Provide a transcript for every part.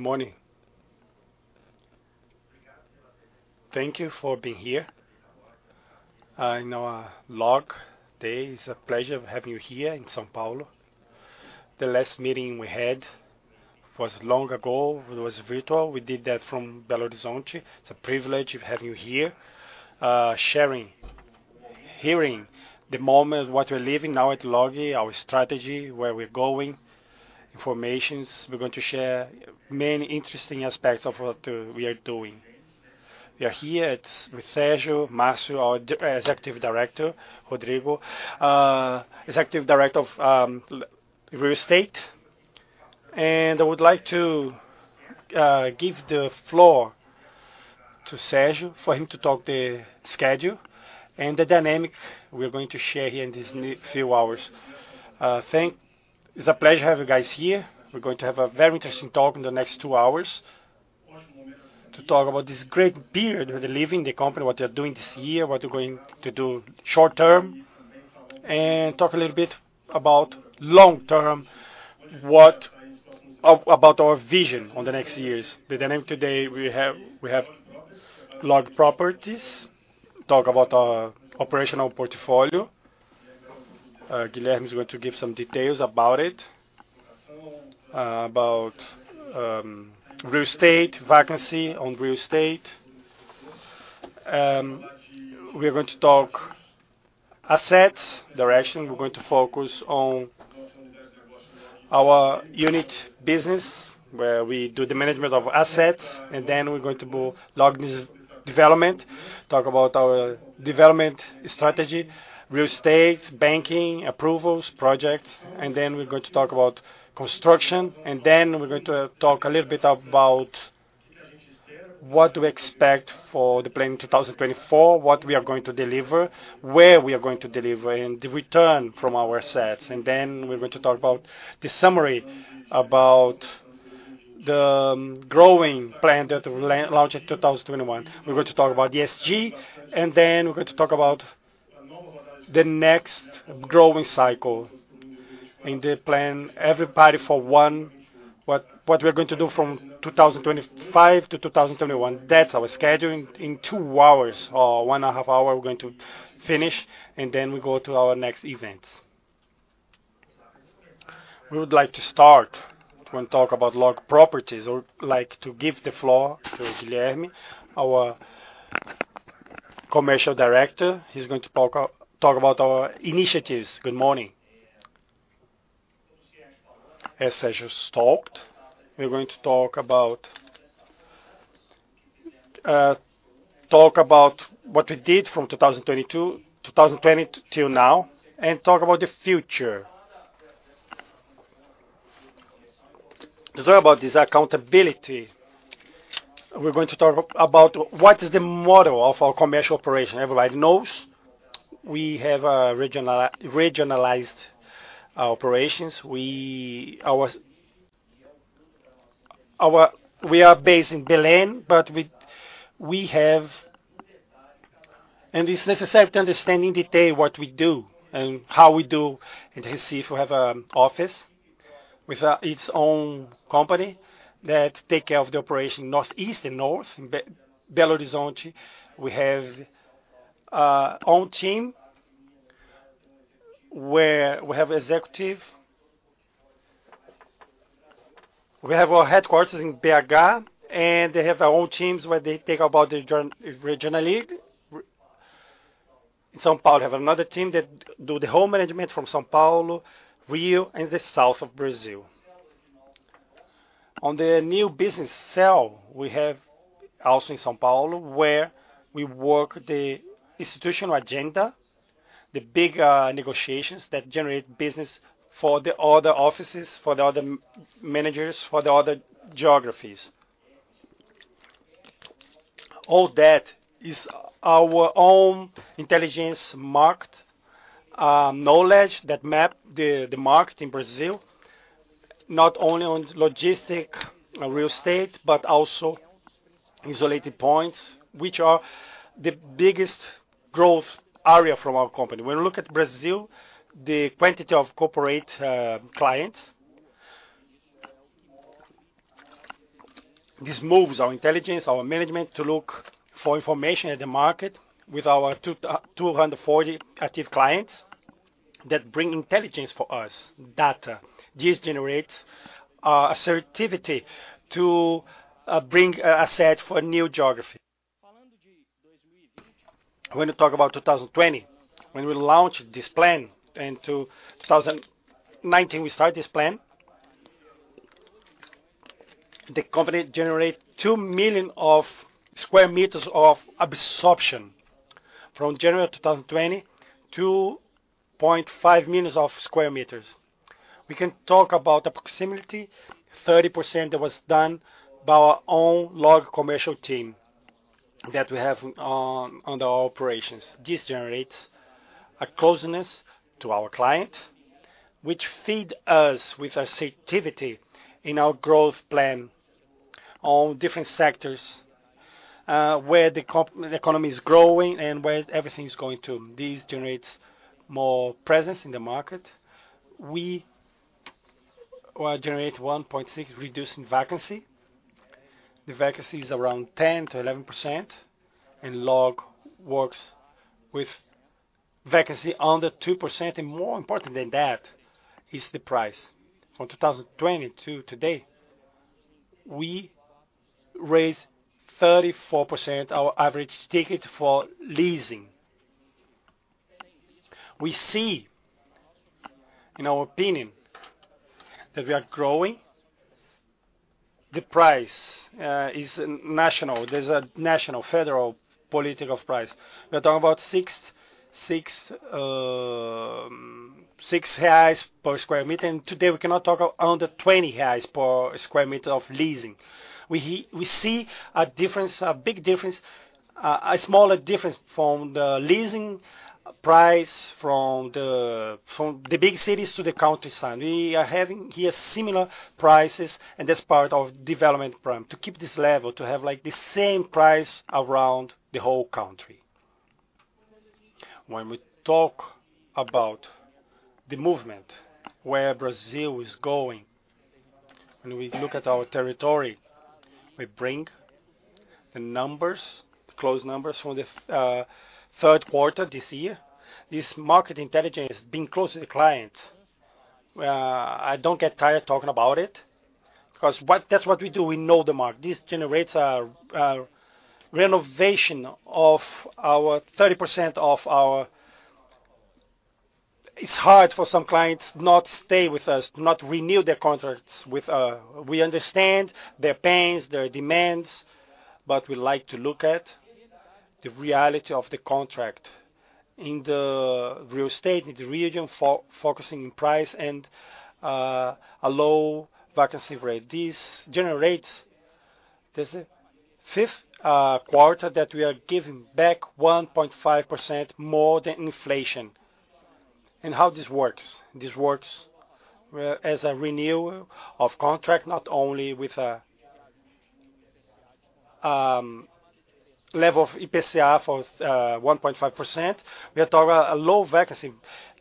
Good morning. Thank you for being here in our LOG Day. It's a pleasure having you here in São Paulo. The last meeting we had was long ago. It was virtual. We did that from Belo Horizonte. It's a privilege to have you here, sharing, hearing the moment, what we're living now at LOG, our strategy, where we're going, information. We're going to share many interesting aspects of what we are doing. We are here with Sérgio, Marcio, our Executive Director, Rodrigo, Executive Director of Real Estate. And I would like to give the floor to Sérgio for him to talk the schedule and the dynamics we're going to share here in these few hours. Thank... It's a pleasure to have you guys here. We're going to have a very interesting talk in the next two hours, to talk about this great period we're living, the company, what they're doing this year, what they're going to do short term, and talk a little bit about long term, what about our vision on the next years. The dynamic today, we have LOG Properties, talk about our operational portfolio. Guilherme is going to give some details about it, about real estate, vacancy on real estate. We are going to talk assets, direction. We're going to focus on our unit business, where we do the management of assets, and then we're going to go LOG development, talk about our development strategy, real estate, banking, approvals, projects, and then we're going to talk about construction, and then we're going to talk a little bit about what do we expect for the plan in 2024, what we are going to deliver, where we are going to deliver, and the return from our assets. And then we're going to talk about the summary about the growing plan that we launched in 2021. We're going to talk about ESG, and then we're going to talk about the next growing cycle and the plan, everybody for one, what we're going to do from 2025 to 2021. That's our scheduling. In two hours or 1.5 hours, we're going to finish, and then we go to our next events. We would like to start, we want to talk about LOG Properties. I would like to give the floor to Guilherme, our Commercial Director. He's going to talk about our initiatives. Good morning. As Sérgio talked, we're going to talk about what we did from 2022, 2020 till now, and talk about the future. To talk about this accountability, we're going to talk about what is the model of our commercial operation. Everybody knows we have a regionalized operations. We are based in Belém, but we have. It's necessary to understand in detail what we do and how we do. In Recife, we have an office with its own company that take care of the operation, Northeast and North. In Belo Horizonte, we have own team, where we have executive. We have our headquarters in BH, and they have their own teams, where they take about regionally. São Paulo, have another team that do the whole management from São Paulo, Rio, and the south of Brazil. On the new business cell, we have also in São Paulo, where we work the institutional agenda, the big negotiations that generate business for the other offices, for the other managers, for the other geographies. All that is our own intelligence market knowledge that map the market in Brazil, not only on logistic, on real estate, but also isolated points, which are the biggest growth area from our company. When you look at Brazil, the quantity of corporate clients, this moves our intelligence, our management, to look for information in the market with our 240 active clients that bring intelligence for us, data. This generates assertiveness to bring an asset for a new geography. I'm going to talk about 2020. When we launched this plan in 2019, we started this plan. The company generate 2 million sq m of absorption. From January of 2020, 2.5 million sq m. We can talk about the proximity, 30% that was done by our own LOG Commercial team that we have on the operations. This generates a closeness to our client, which feed us with assertiveness in our growth plan on different sectors-... where the economy is growing and where everything is going to. This generates more presence in the market. We generate 1.6, reducing vacancy. The vacancy is around 10%-11%, and LOG works with vacancy under 2%, and more important than that is the price. From 2020 to today, we raised 34% our average ticket for leasing. We see, in our opinion, that we are growing. The price is national. There's a national federal political price. We're talking about 6 reais per sq m, and today we cannot talk about under 20 reais per sq m of leasing. We see a difference, a big difference, a smaller difference from the leasing price from the big cities to the countryside. We are having here similar prices, and that's part of development plan, to keep this level, to have like the same price around the whole country. When we talk about the movement, where Brazil is going, when we look at our territory, we bring the numbers, close numbers from the third quarter this year. This market intelligence is being close to the client. I don't get tired talking about it, because what-- that's what we do, we know the market. This generates a renovation of our... 30% of our... It's hard for some clients to not stay with us, to not renew their contracts with us. We understand their pains, their demands, but we like to look at the reality of the contract in the real estate, in the region, focusing in price and a low vacancy rate. This generates the fifth quarter that we are giving back 1.5% more than inflation. How this works? This works as a renewal of contract, not only with a level of IPCA for 1.5%. We are talking about a low vacancy,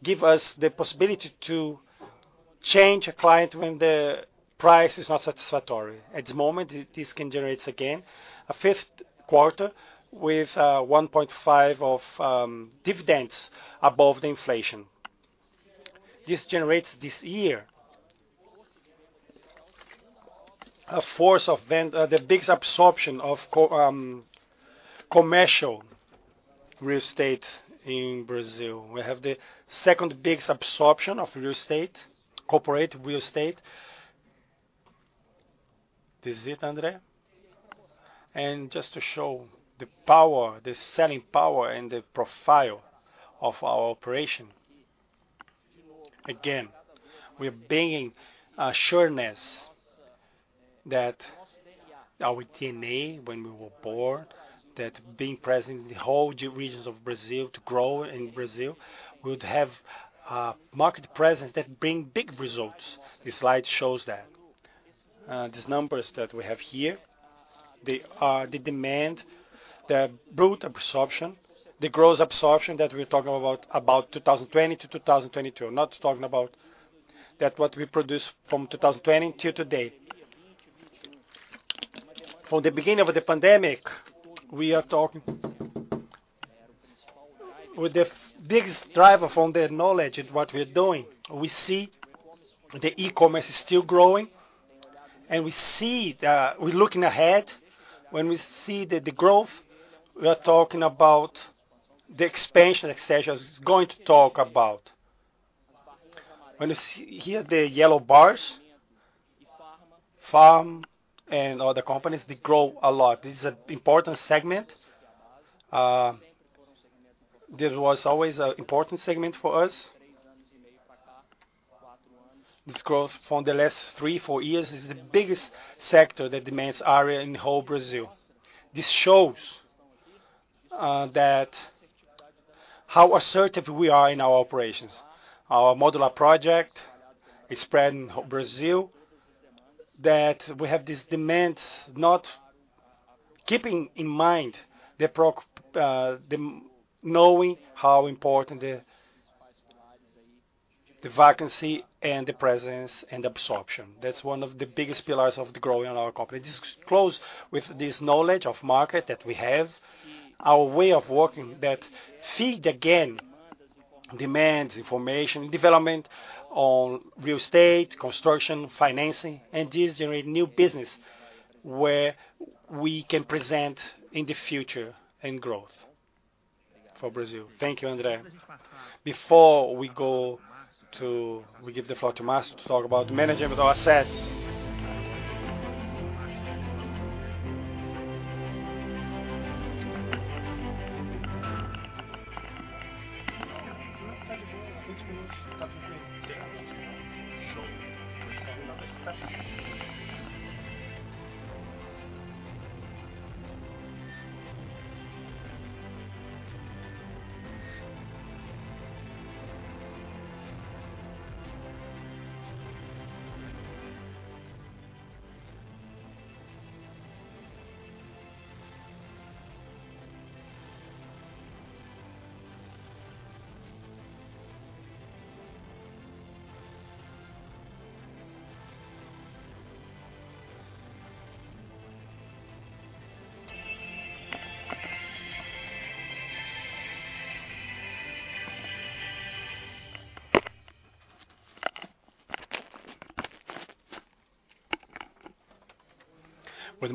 give us the possibility to change a client when the price is not satisfactory. At the moment, this can generate again a fifth quarter with 1.5% of dividends above the inflation. This generates this year the biggest absorption of commercial real estate in Brazil. We have the second biggest absorption of real estate, corporate real estate. This is it, André? Just to show the power, the selling power and the profile of our operation. Again, we're bringing a sureness that our DNA, when we were born, that being present in the whole regions of Brazil, to grow in Brazil, would have a market presence that bring big results. This slide shows that. These numbers that we have here, they are the demand, the bruta absorption, the gross absorption that we're talking about, about 2020-2022. Not talking about that, what we produce from 2020 till today. From the beginning of the pandemic, we are talking with the biggest driver from their knowledge in what we're doing. We see the e-commerce is still growing, and we see, we're looking ahead. When we see the growth, we are talking about the expansion, etc., is going to talk about. When you see here, the yellow bars, pharma and other companies, they grow a lot. This is an important segment. This was always an important segment for us. This growth from the last three-four years is the biggest sector that demands area in whole Brazil. This shows that how assertive we are in our operations. Our modular project is spread in whole Brazil, that we have this demand, not keeping in mind the knowing how important the vacancy and the presence and absorption. That's one of the biggest pillars of the growing in our company. This is close with this knowledge of market that we have, our way of working that see again demands, information, development on real estate, construction, financing, and this generate new business where we can present in the future in growth for Brazil. Thank you, André. Before we go to we give the floor to Márcio to talk about management of our assets.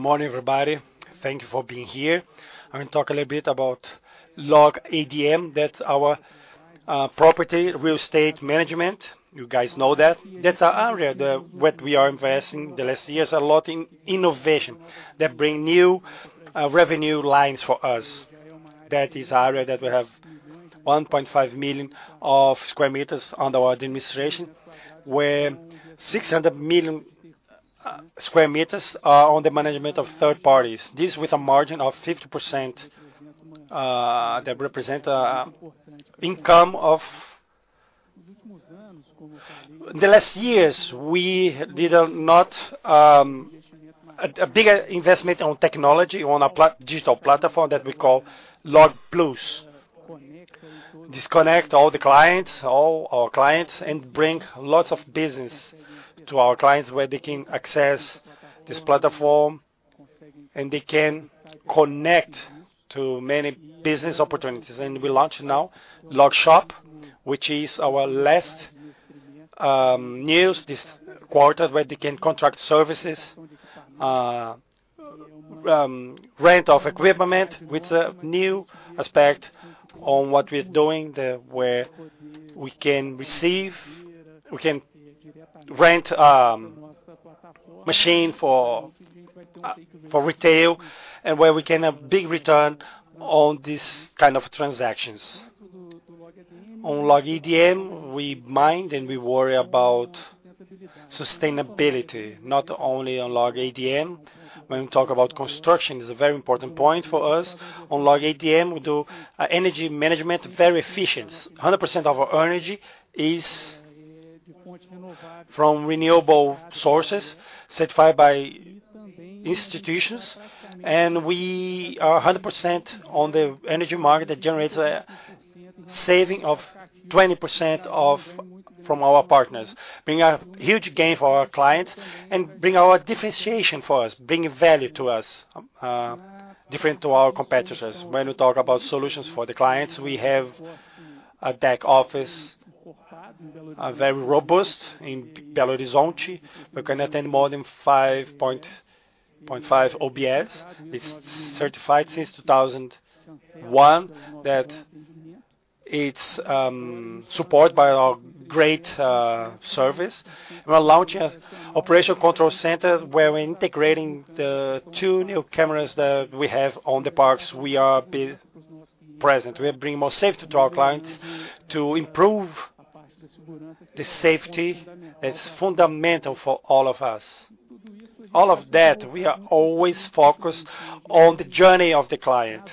Good morning, everybody. Thank you for being here. I'm going to talk a little bit about LOG ADM, that's our property, real estate management. You guys know that. That's our area, the what we are investing the last years, a lot in innovation that bring new revenue lines for us. That is area that we have 1.5 million of sq m under our administration, where 600 million sq m are on the management of third parties. This with a margin of 50%, that represent an income of- In the last years, we did not a bigger investment on technology, on a digital platform that we call Log Plus. This connect all the clients, all our clients, and bring lots of business to our clients, where they can access this platform, and they can connect to many business opportunities. We launch now Log Shop, which is our last news this quarter, where they can contract services, rent of equipment with a new aspect on what we're doing, the where we can receive, we can rent machine for for retail, and where we can have big return on this kind of transactions. On LOG ADM, we mind, and we worry about sustainability, not only on LOG ADM. When we talk about construction, it's a very important point for us. On LOG ADM, we do energy management, very efficient. 100% of our energy is from renewable sources, certified by institutions, and we are 100% on the energy market. That generates a saving of 20% from our partners, being a huge gain for our clients and bring our differentiation for us, different to our competitors. When we talk about solutions for the clients, we have a tech office, a very robust in Belo Horizonte. We can attend more than 5.5 O.S. It's certified since 2001, that it's supported by our great service. We're launching an operational control center, where we're integrating the two new cameras that we have on the parks we are be present. We are bringing more safety to our clients to improve the safety that's fundamental for all of us. All of that, we are always focused on the journey of the client.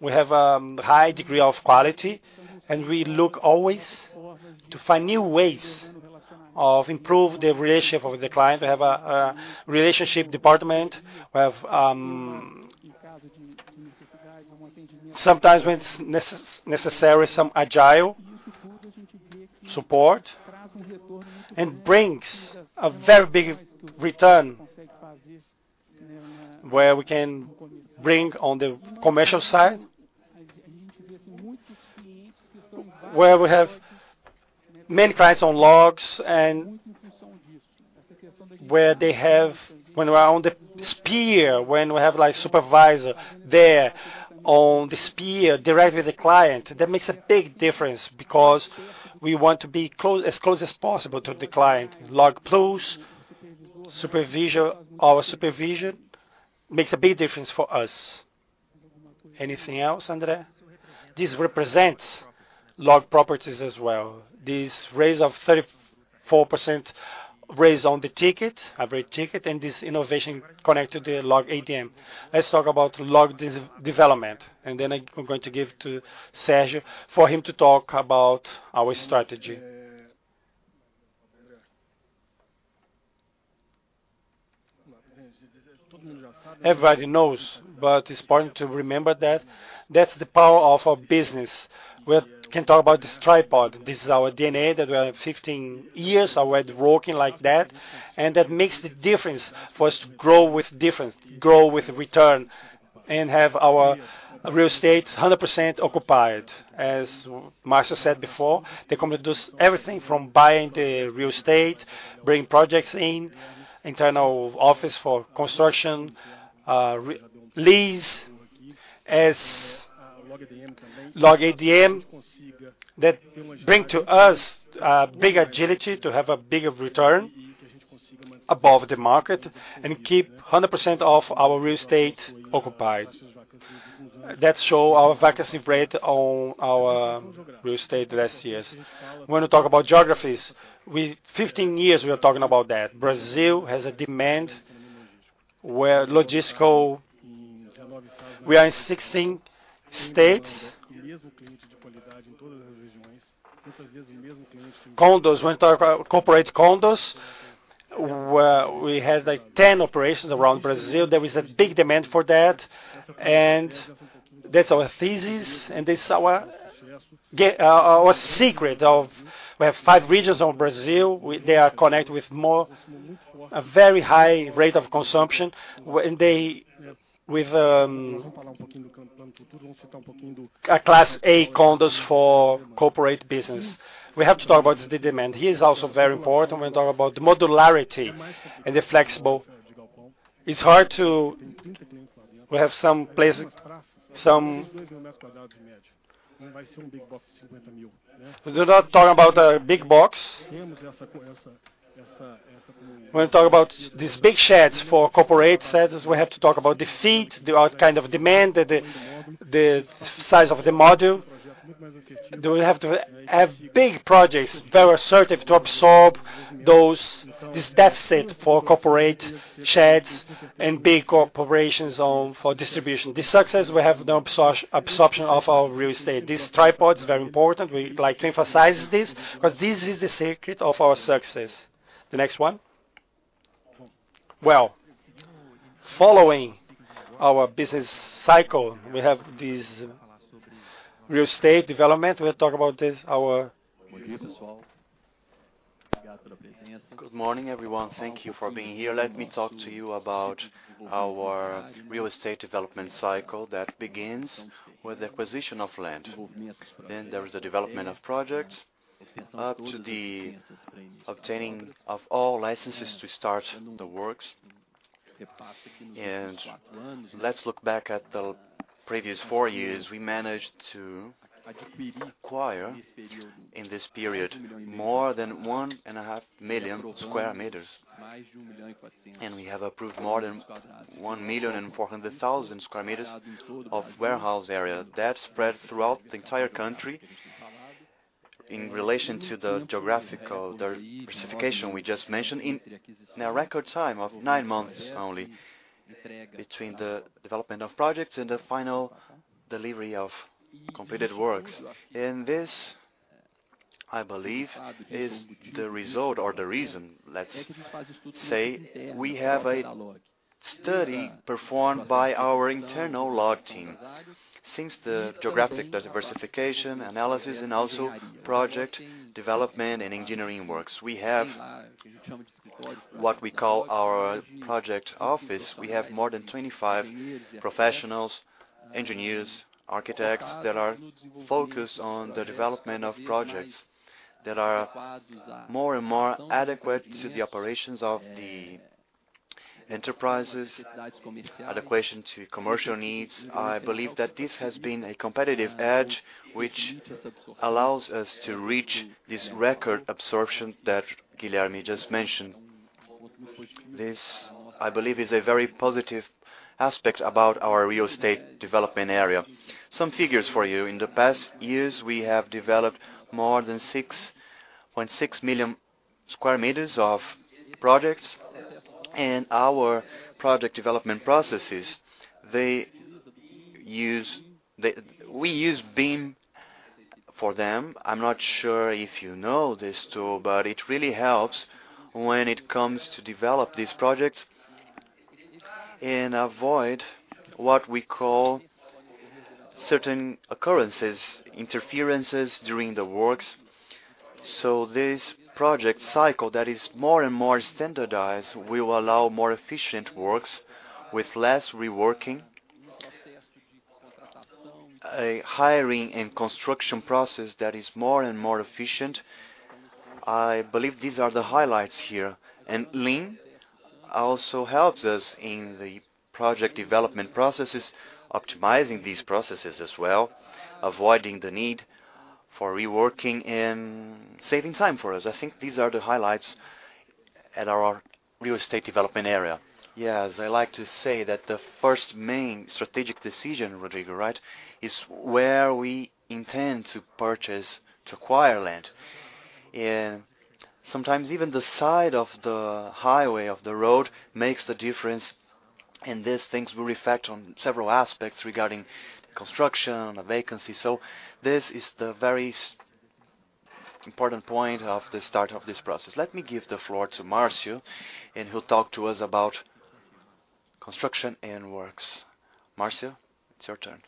We have a high degree of quality, and we look always to find new ways of improve the relationship with the client. We have a relationship department. We have sometimes when it's necessary, some agile support and brings a very big return where we can bring on the commercial side. Where we have many clients on LOG's and where they have when we are on the site, when we have, like, supervisor there on the site, directly the client, that makes a big difference because we want to be close, as close as possible to the client. Log Plus supervision, our supervision makes a big difference for us. Anything else, André? This represents LOG Properties as well. This raise of 34% raise on the ticket, average ticket, and this innovation connected to the LOG ADM. Let's talk about Log Development, and then I'm going to give to Sergio for him to talk about our strategy. Everybody knows, but it's important to remember that that's the power of our business. We can talk about this tripod. This is our DNA, that we are 15 years already working like that, and that makes the difference for us to grow with difference, grow with return, and have our real estate 100% occupied. As Marcio said before, the company does everything from buying the real estate, bringing projects in, internal office for construction, re-lease as LOG ADM, that bring to us big agility to have a bigger return above the market and keep 100% of our real estate occupied. That show our vacancy rate on our real estate the last years. When we talk about geographies, we 15 years, we are talking about that. Brazil has a demand where logistical... We are in 16 states. Condos, when talk about corporate condos, well, we have like 10 operations around Brazil. There is a big demand for that, and that's our thesis, and this is our geography, our secret of we have five regions of Brazil, they are connected with more, a very high rate of consumption, and they with a Class A condos for corporate business. We have to talk about the demand. Here is also very important, when we talk about the modularity and the flexible. It's hard to. We have some place, some... We're not talking about a big box. When we talk about these big sheds for corporate sheds, we have to talk about the feet, the all kind of demand, the size of the module. Do we have to have big projects, very assertive, to absorb those, this deficit for corporate sheds and big corporations for distribution. The success we have, the absorption of our real estate. This tripod is very important. We'd like to emphasize this, but this is the secret of our success. The next one. Well, following our business cycle, we have this real estate development. We'll talk about this, our- Good morning, everyone. Thank you for being here. Let me talk to you about our real estate development cycle that begins with the acquisition of land. Then there is the development of projects, up to the obtaining of all licenses to start the works. Let's look back at the previous four years. We managed to acquire, in this period, more than 1.5 million sq m, and we have approved more than 1.4 million sq m of warehouse area that spread throughout the entire country in relation to the geographical, the diversification we just mentioned, in a record time of 9 months only, between the development of projects and the final delivery of completed works. This, I believe, is the result or the reason, let's say. We have a study performed by our internal law team since the geographic diversification analysis and also project development and engineering works. We have what we call our project office. We have more than 25 professionals, engineers, architects, that are focused on the development of projects that are more and more adequate to the operations of the enterprises, adaptation to commercial needs. I believe that this has been a competitive edge, which allows us to reach this record absorption that Guilherme just mentioned. This, I believe, is a very positive aspect about our real estate development area. Some figures for you. In the past years, we have developed more than 6.6 million sq m of projects, and our project development processes, we use BIM for them. I'm not sure if you know this tool, but it really helps when it comes to develop these projects and avoid what we call certain occurrences, interferences during the works. So this project cycle that is more and more standardized, will allow more efficient works with less reworking, a hiring and construction process that is more and more efficient. I believe these are the highlights here. And Lean also helps us in the project development processes, optimizing these processes as well, avoiding the need for reworking and saving time for us. I think these are the highlights at our real estate development area. Yes, I like to say that the first main strategic decision, Rodrigo, right, is where we intend to purchase, to acquire land. Sometimes even the side of the highway, of the road, makes the difference, and these things will reflect on several aspects regarding construction, vacancy. This is the very important point of the start of this process. Let me give the floor to Marcio, and he'll talk to us about construction and works. Marcio, it's your turn.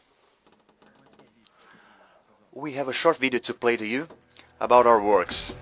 We have a short video to play to you about our works.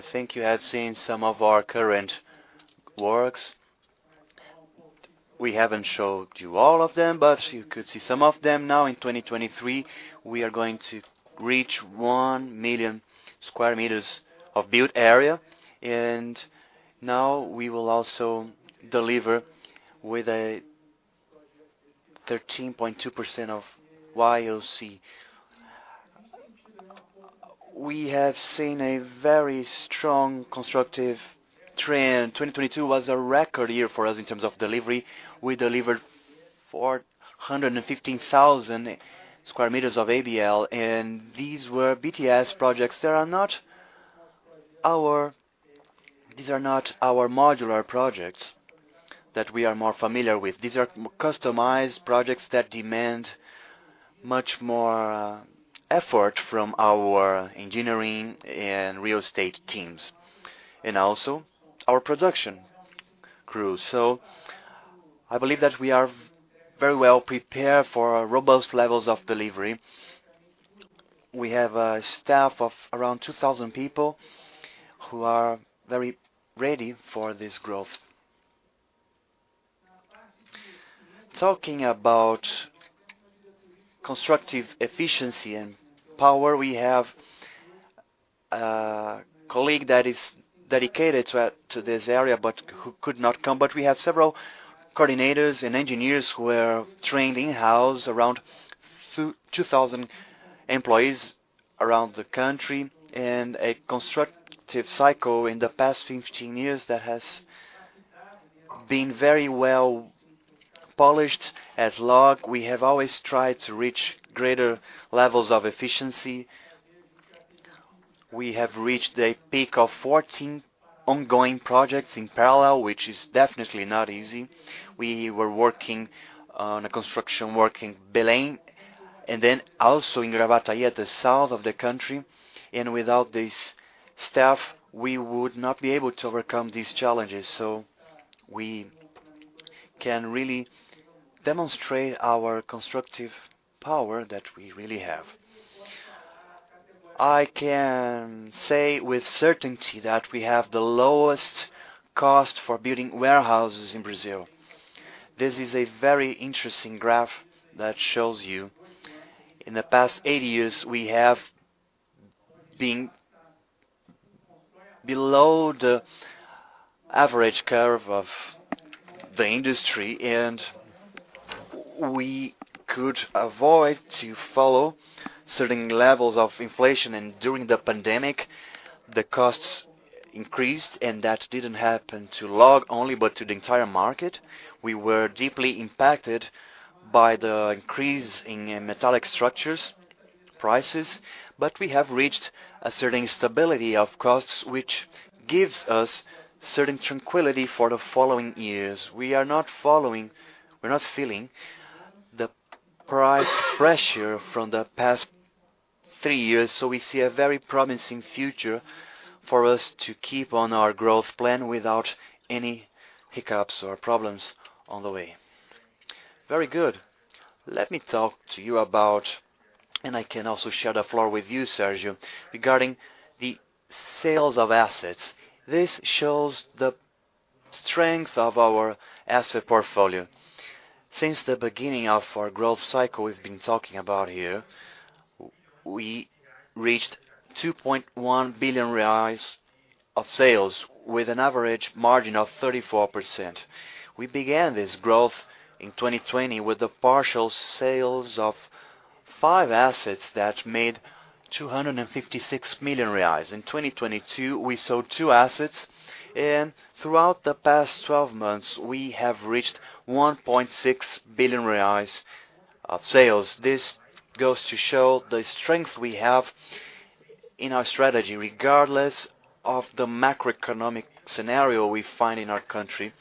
Oh!... Okay, I think you have seen some of our current works. We haven't showed you all of them, but you could see some of them. Now in 2023, we are going to reach 1 million sq m of built area, and now we will also deliver with a 13.2% YoC. We have seen a very strong constructive trend. 2022 was a record year for us in terms of delivery. We delivered 415,000 sq m of ABL, and these were BTS projects. They are not our-- These are not our modular projects that we are more familiar with. These are customized projects that demand much more, effort from our engineering and real estate teams, and also our production crew. So I believe that we are very well prepared for robust levels of delivery. We have a staff of around 2,000 people who are very ready for this growth. Talking about constructive efficiency and power, we have a colleague that is dedicated to, to this area, but who could not come. But we have several coordinators and engineers who are trained in-house, around 2,000 employees around the country, and a constructive cycle in the past 15 years that has been very well polished. At LOG, we have always tried to reach greater levels of efficiency. We have reached a peak of 14 ongoing projects in parallel, which is definitely not easy. We were working on a construction work in Belém, and then also in Gravataí, at the south of the country. Without this staff, we would not be able to overcome these challenges, so we can really demonstrate our constructive power that we really have. I can say with certainty that we have the lowest cost for building warehouses in Brazil. This is a very interesting graph that shows you. In the past eight years, we have been below the average curve of the industry, and we could avoid to follow certain levels of inflation. During the pandemic, the costs increased, and that didn't happen to LOG only, but to the entire market. We were deeply impacted by the increase in metallic structures prices, but we have reached a certain stability of costs, which gives us certain tranquility for the following years. We're not feeling the price pressure from the past three years, so we see a very promising future for us to keep on our growth plan without any hiccups or problems on the way. Very good. Let me talk to you about, and I can also share the floor with you, Sérgio, regarding the sales of assets. This shows the strength of our asset portfolio. Since the beginning of our growth cycle we've been talking about here, we reached 2.1 billion reais of sales with an average margin of 34%. We began this growth in 2020 with the partial sales of five assets that made 256 million reais. In 2022, we sold two assets, and throughout the past twelve months, we have reached 1.6 billion reais of sales. This goes to show the strength we have in our strategy, regardless of the macroeconomic scenario we find in our country,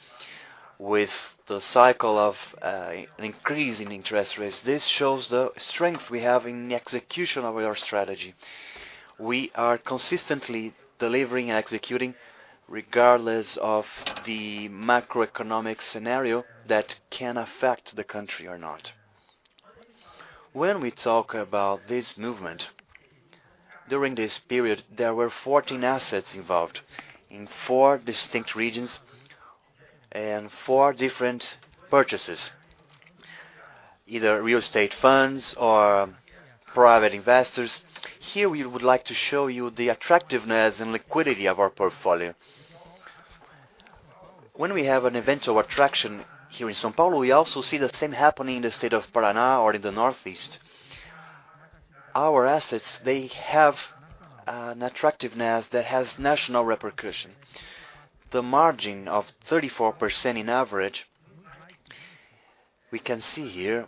with the cycle of an increase in interest rates. This shows the strength we have in the execution of our strategy. We are consistently delivering and executing regardless of the macroeconomic scenario that can affect the country or not. When we talk about this movement, during this period, there were 14 assets involved in four distinct regions and four different purchases, either real estate funds or private investors. Here, we would like to show you the attractiveness and liquidity of our portfolio. When we have an eventual attraction here in São Paulo, we also see the same happening in the state of Paraná or in the Northeast. Our assets, they have an attractiveness that has national repercussion. The margin of 34% in average, we can see here,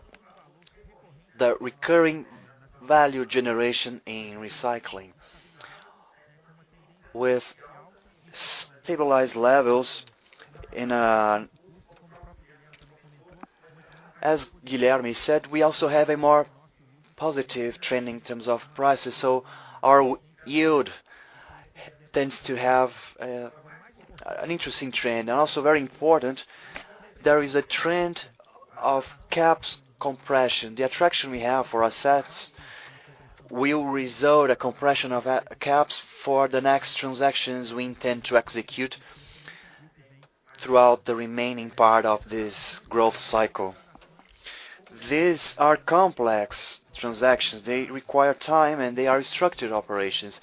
the recurring value generation in recycling. With stabilized levels in, as Guilherme said, we also have a more positive trend in terms of prices, so our yield tends to have, an interesting trend. And also very important, there is a trend of caps compression. The attraction we have for assets will result a compression of, caps for the next transactions we intend to execute throughout the remaining part of this growth cycle. These are complex transactions. They require time, and they are structured operations.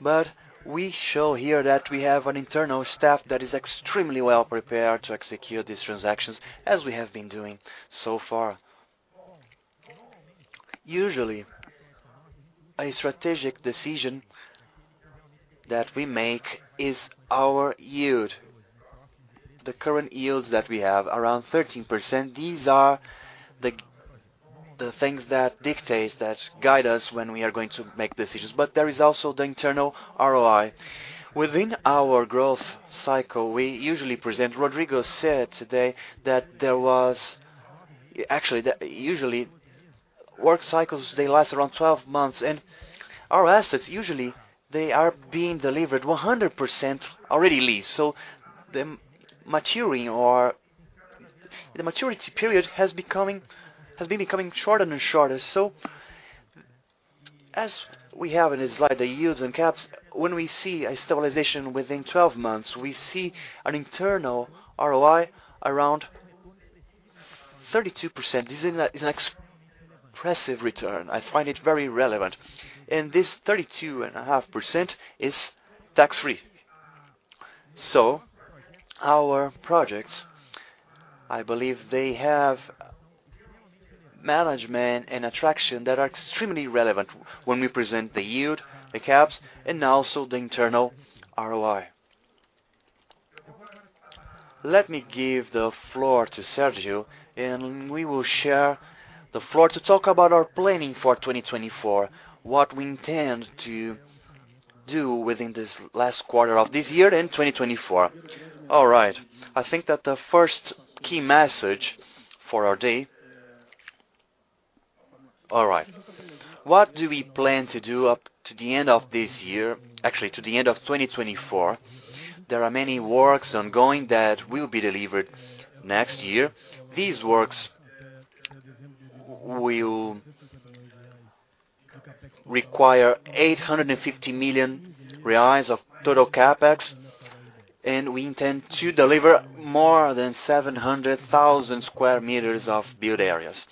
But we show here that we have an internal staff that is extremely well-prepared to execute these transactions, as we have been doing so far. Usually, a strategic decision that we make is our yield. The current yields that we have, around 13%, these are the things that dictate, that guide us when we are going to make decisions. But there is also the internal ROI. Within our growth cycle, we usually present. Rodrigo said today that there was... Actually, usually, work cycles, they last around 12 months, and our assets, usually, they are being delivered 100% already leased. So the maturing or the maturity period has been becoming shorter and shorter. So as we have in this slide, the yields and caps, when we see a stabilization within 12 months, we see an internal ROI around 32%. This is an expressive return. I find it very relevant. And this 32.5% is tax-free. So our projects, I believe they have management and attraction that are extremely relevant when we present the yield, the caps, and also the internal ROI. Let me give the floor to Sérgio, and we will share the floor to talk about our planning for 2024, what we intend to do within this last quarter of this year and 2024. All right, I think that the first key message for our day. All right. What do we plan to do up to the end of this year, actually, to the end of 2024? There are many works ongoing that will be delivered next year. These works will require 850 million reais of total CapEx, and we intend to deliver more than 700,000 sq m of build areas.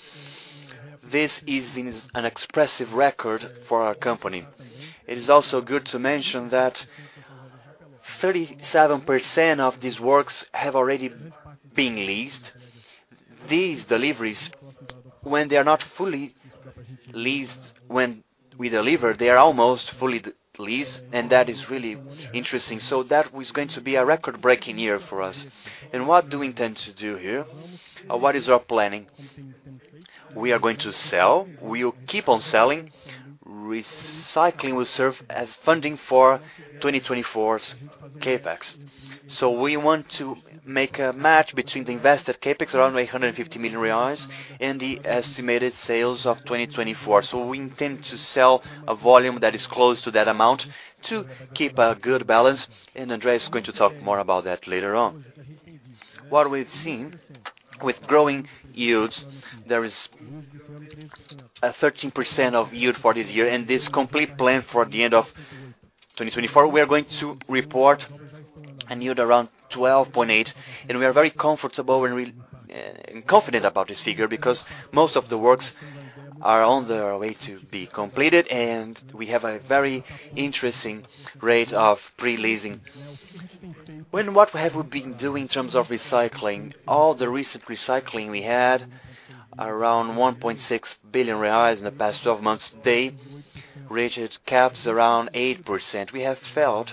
This is an expressive record for our company. It is also good to mention that 37% of these works have already been leased. These deliveries, when they are not fully leased, when we deliver, they are almost fully leased, and that is really interesting. So that is going to be a record-breaking year for us. What do we intend to do here? What is our planning? We are going to sell. We will keep on selling. Recycling will serve as funding for 2024's CapEx. So we want to make a match between the invested CapEx, around 150 million reais, and the estimated sales of 2024. So we intend to sell a volume that is close to that amount to keep a good balance, and André is going to talk more about that later on. What we've seen with growing yields, there is a 13% of yield for this year, and this complete plan for the end of 2024, we are going to report a yield around 12.8%, and we are very comfortable and confident about this figure, because most of the works are on their way to be completed, and we have a very interesting rate of pre-leasing. What have we been doing in terms of recycling? All the recent recycling we had, around 1.6 billion reais in the past 12 months, they reached caps around 8%. We have felt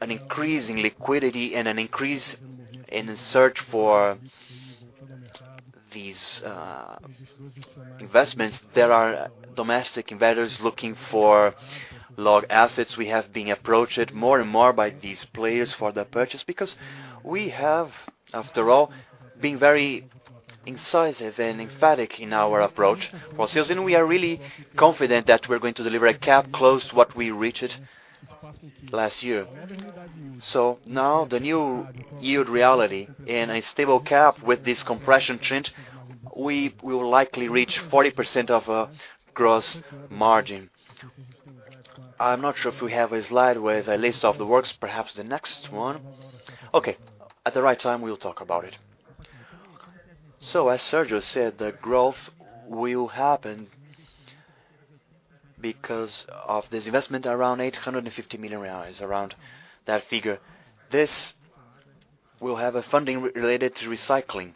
an increase in liquidity and an increase in the search for these investments. There are domestic investors looking for large assets. We have been approached more and more by these players for the purchase because we have, after all, been very incisive and emphatic in our approach for sales, and we are really confident that we're going to deliver a cap close to what we reached last year. So now, the new yield reality in a stable cap with this compression trend, we will likely reach 40% of gross margin. I'm not sure if we have a slide with a list of the works, perhaps the next one. Okay, at the right time, we'll talk about it. So as Sérgio said, the growth will happen because of this investment, around 850 million reais, around that figure. This will have a funding related to recycling.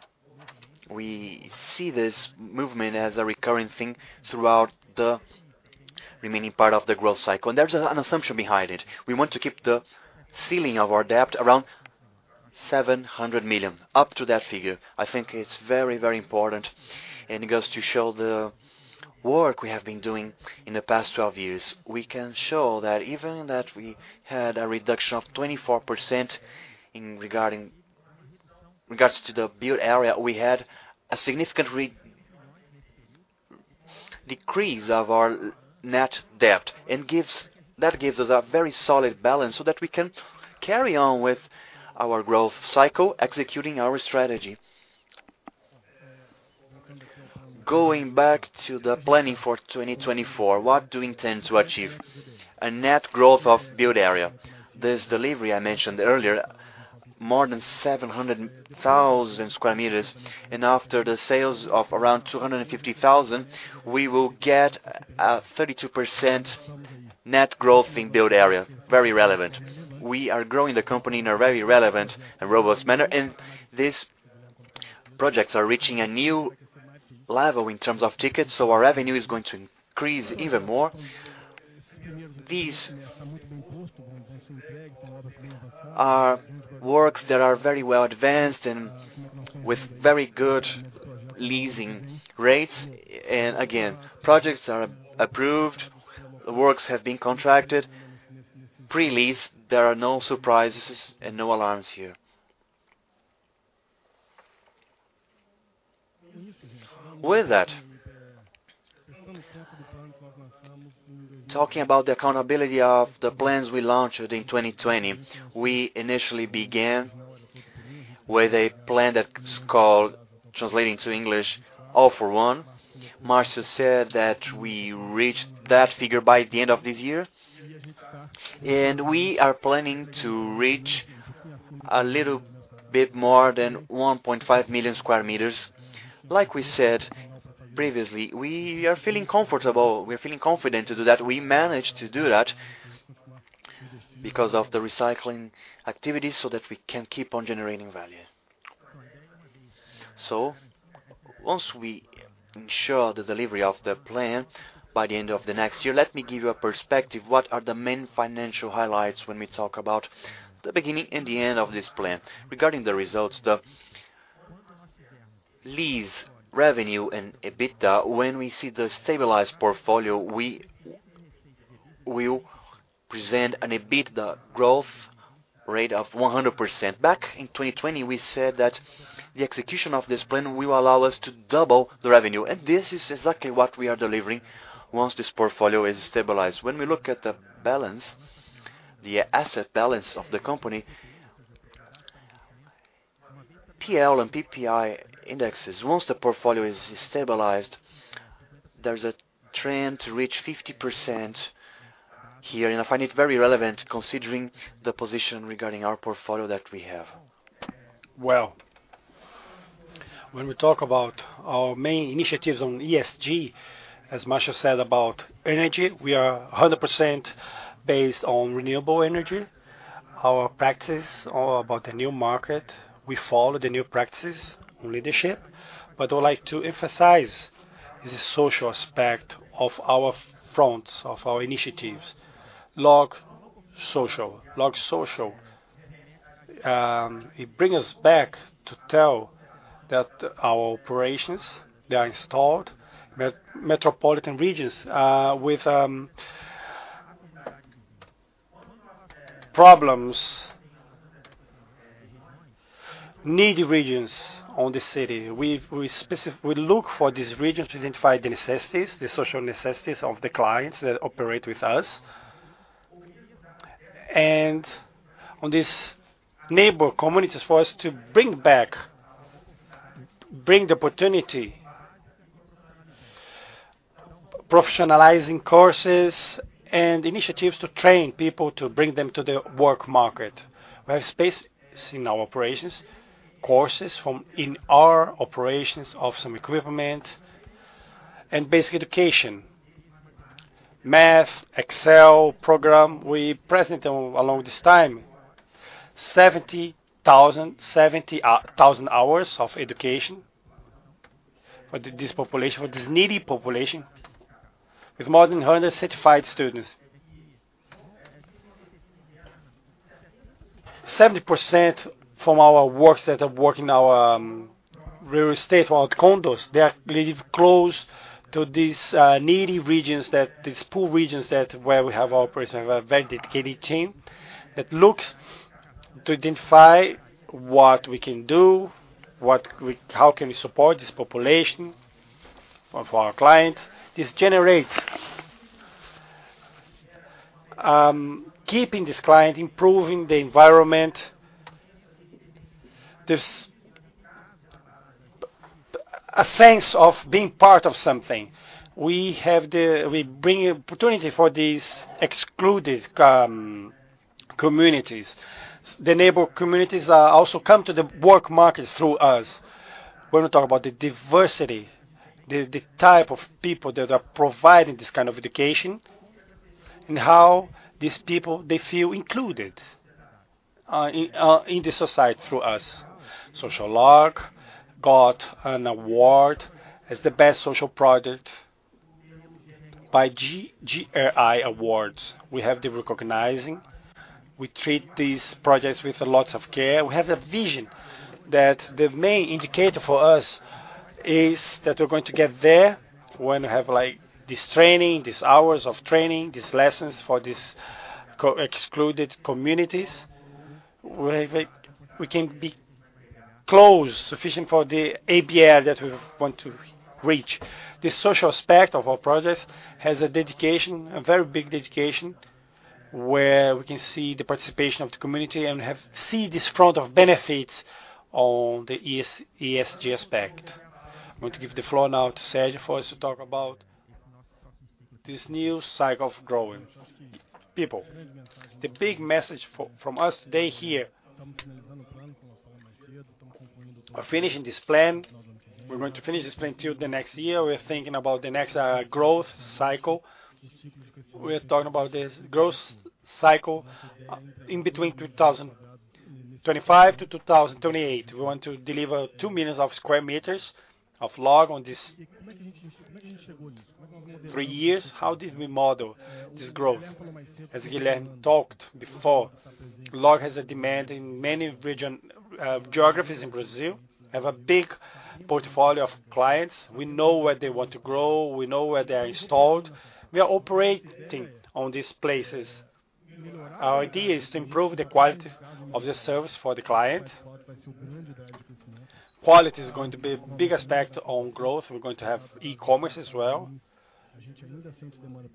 We see this movement as a recurring thing throughout the remaining part of the growth cycle, and there's an assumption behind it. We want to keep the ceiling of our debt around 700 million, up to that figure. I think it's very, very important, and it goes to show the work we have been doing in the past 12 years. We can show that even that we had a reduction of 24% in regards to the build area, we had a significant decrease of our net debt, and that gives us a very solid balance so that we can carry on with our growth cycle, executing our strategy. Going back to the planning for 2024, what do we intend to achieve? A net growth of build area. This delivery I mentioned earlier, more than 700,000 sq m, and after the sales of around 250,000, we will get a 32% net growth in build area. Very relevant. We are growing the company in a very relevant and robust manner, and these projects are reaching a new level in terms of tickets, so our revenue is going to increase even more. These are works that are very well advanced and with very good leasing rates. And again, projects are approved, the works have been contracted. Pre-lease, there are no surprises and no alarms here. With that, talking about the accountability of the plans we launched in 2020, we initially began with a plan that's called, translating to English, All for One. Marcio said that we reached that figure by the end of this year, and we are planning to reach a little bit more than 1.5 million sq m. Like we said previously, we are feeling comfortable, we're feeling confident to do that. We managed to do that because of the recycling activities so that we can keep on generating value. So once we ensure the delivery of the plan by the end of the next year, let me give you a perspective, what are the main financial highlights when we talk about the beginning and the end of this plan. Regarding the results, the lease, revenue, and EBITDA, when we see the stabilized portfolio, we will present an EBITDA growth rate of 100%. Back in 2020, we said that the execution of this plan will allow us to double the revenue, and this is exactly what we are delivering once this portfolio is stabilized. When we look at the balance, the asset balance of the company, P/L and P/VP indexes, once the portfolio is stabilized, there's a trend to reach 50% here, and I find it very relevant considering the position regarding our portfolio that we have. Well, when we talk about our main initiatives on ESG, as Marcio said about energy, we are 100% based on renewable energy. Our practices are about the new market. We follow the new practices on leadership, but I would like to emphasize the social aspect of our fronts, of our initiatives. Log Social. Log Social, it bring us back to tell that our operations, they are installed metropolitan regions, with problems, needy regions on the city. We look for these regions to identify the necessities, the social necessities of the clients that operate with us. And on these neighbor communities, for us to bring back, bring the opportunity, professionalizing courses and initiatives to train people to bring them to the work market. We have space in our operations, courses from in our operations of some equipment and basic education, math, Excel program. We present along this time 70,000 hours of education for this population, for this needy population, with more than 100 certified students. 70% from our works that are working in our real estate or condos, they are really close to these needy regions, that these poor regions that where we have our operations, have a very dedicated team that looks to identify what we can do, how can we support this population of our client. This generates keeping this client, improving the environment. This a sense of being part of something. We have the, we bring opportunity for these excluded communities. The neighbor communities also come to the work market through us. When we talk about the diversity, the type of people that are providing this kind of education, and how these people, they feel included in the society through us. Log Social got an award as the best social project by GRI Awards. We have the recognizing, we treat these projects with lots of care. We have a vision that the main indicator for us is that we're going to get there when we have, like, this training, these hours of training, these lessons for these co-excluded communities, where we can be close, sufficient for the ABL that we want to reach. The social aspect of our projects has a dedication, a very big dedication, where we can see the participation of the community and see this front of benefits on the ESG aspect. I'm going to give the floor now to Sérgio, for us to talk about this new cycle of growing. People, the big message from us today here, we're finishing this plan. We're going to finish this plan till the next year. We're thinking about the next growth cycle. We're talking about this growth cycle in between 2025-2028. We want to deliver 2 million sq m of LOG in these three years. How did we model this growth? As Guilherme talked before, LOG has a demand in many region geographies in Brazil, have a big portfolio of clients. We know where they want to grow, we know where they are installed. We are operating on these places. Our idea is to improve the quality of the service for the client. Quality is going to be a big aspect on growth. We're going to have e-commerce as well.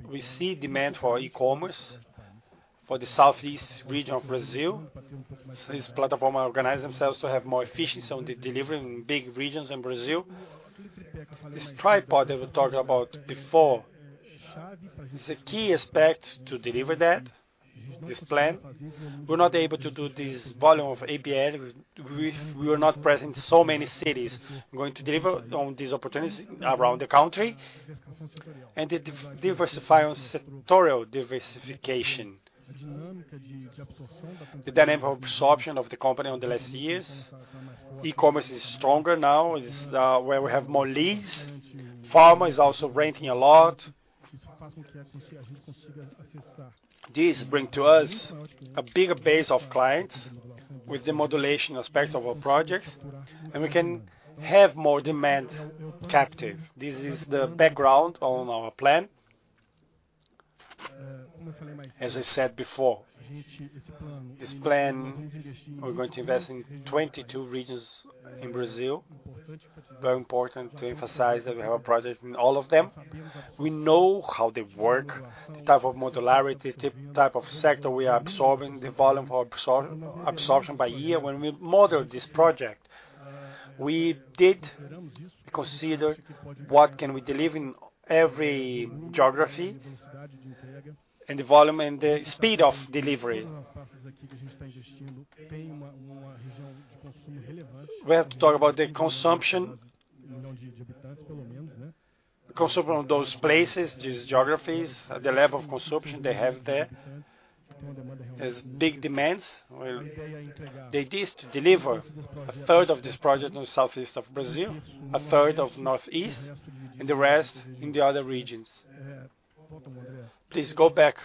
We see demand for e-commerce for the southeast region of Brazil. This platform organize themselves to have more efficiency on the delivery in big regions in Brazil. This tripod that we talked about before, is a key aspect to deliver that, this plan. We're not able to do this volume of ABL with we are not present in so many cities. We're going to deliver on these opportunities around the country and the diversify on sectoral diversification. The dynamic of absorption of the company on the last years, e-commerce is stronger now, is where we have more leads. Pharma is also renting a lot. This bring to us a bigger base of clients with the modulation aspect of our projects, and we can have more demand captive. This is the background on our plan. As I said before, this plan, we're going to invest in 22 regions in Brazil. Very important to emphasize that we have a project in all of them. We know how they work, the type of modularity, the type of sector we are absorbing, the volume of absorption by year. When we modeled this project, we did consider what can we deliver in every geography, and the volume, and the speed of delivery. We have to talk about the consumption. Consumption on those places, these geographies, the level of consumption they have there, has big demands. Well, the idea is to deliver a third of this project on the Southeast of Brazil, a third of the Northeast, and the rest in the other regions. Please go back,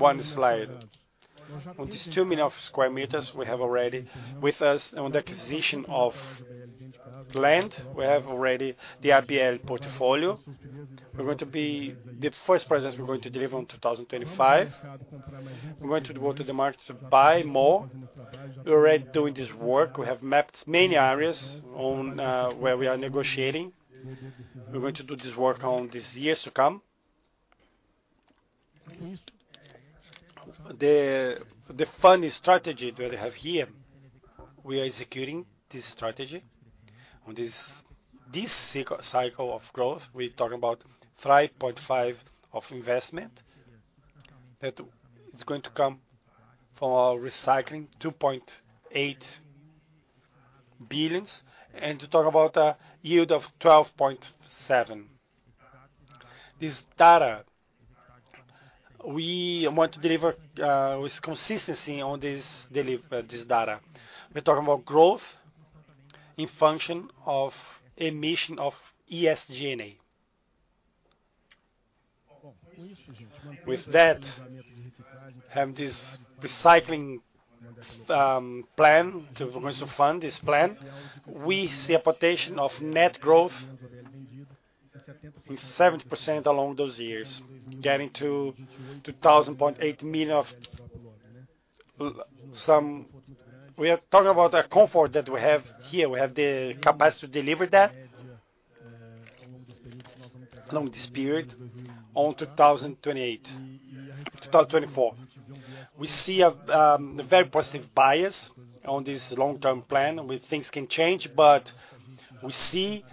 one slide. On these 2 million sq m, we have already with us on the acquisition of land, we have already the ABL portfolio. We're going to be... The first projects we're going to deliver on 2025. We're going to go to the market to buy more. We're already doing this work. We have mapped many areas on where we are negotiating. We're going to do this work on this years to come. The funding strategy that we have here, we are executing this strategy on this cycle of growth. We're talking about 3.5 billion of investment, that is going to come from our recycling, 2.8 billion, and to talk about a yield of 12.7%. This data, we want to deliver with consistency on this deliver, this data. We're talking about growth in function of dilution of ESG&A. With that, have this recycling plan to going to fund this plan, we see a potential of net growth in 70% along those years, getting to 2.8 million. We are talking about a comfort that we have here. We have the capacity to deliver that, along this period, on 2028... 2024. We see a very positive bias on this long-term plan, where things can change, but we see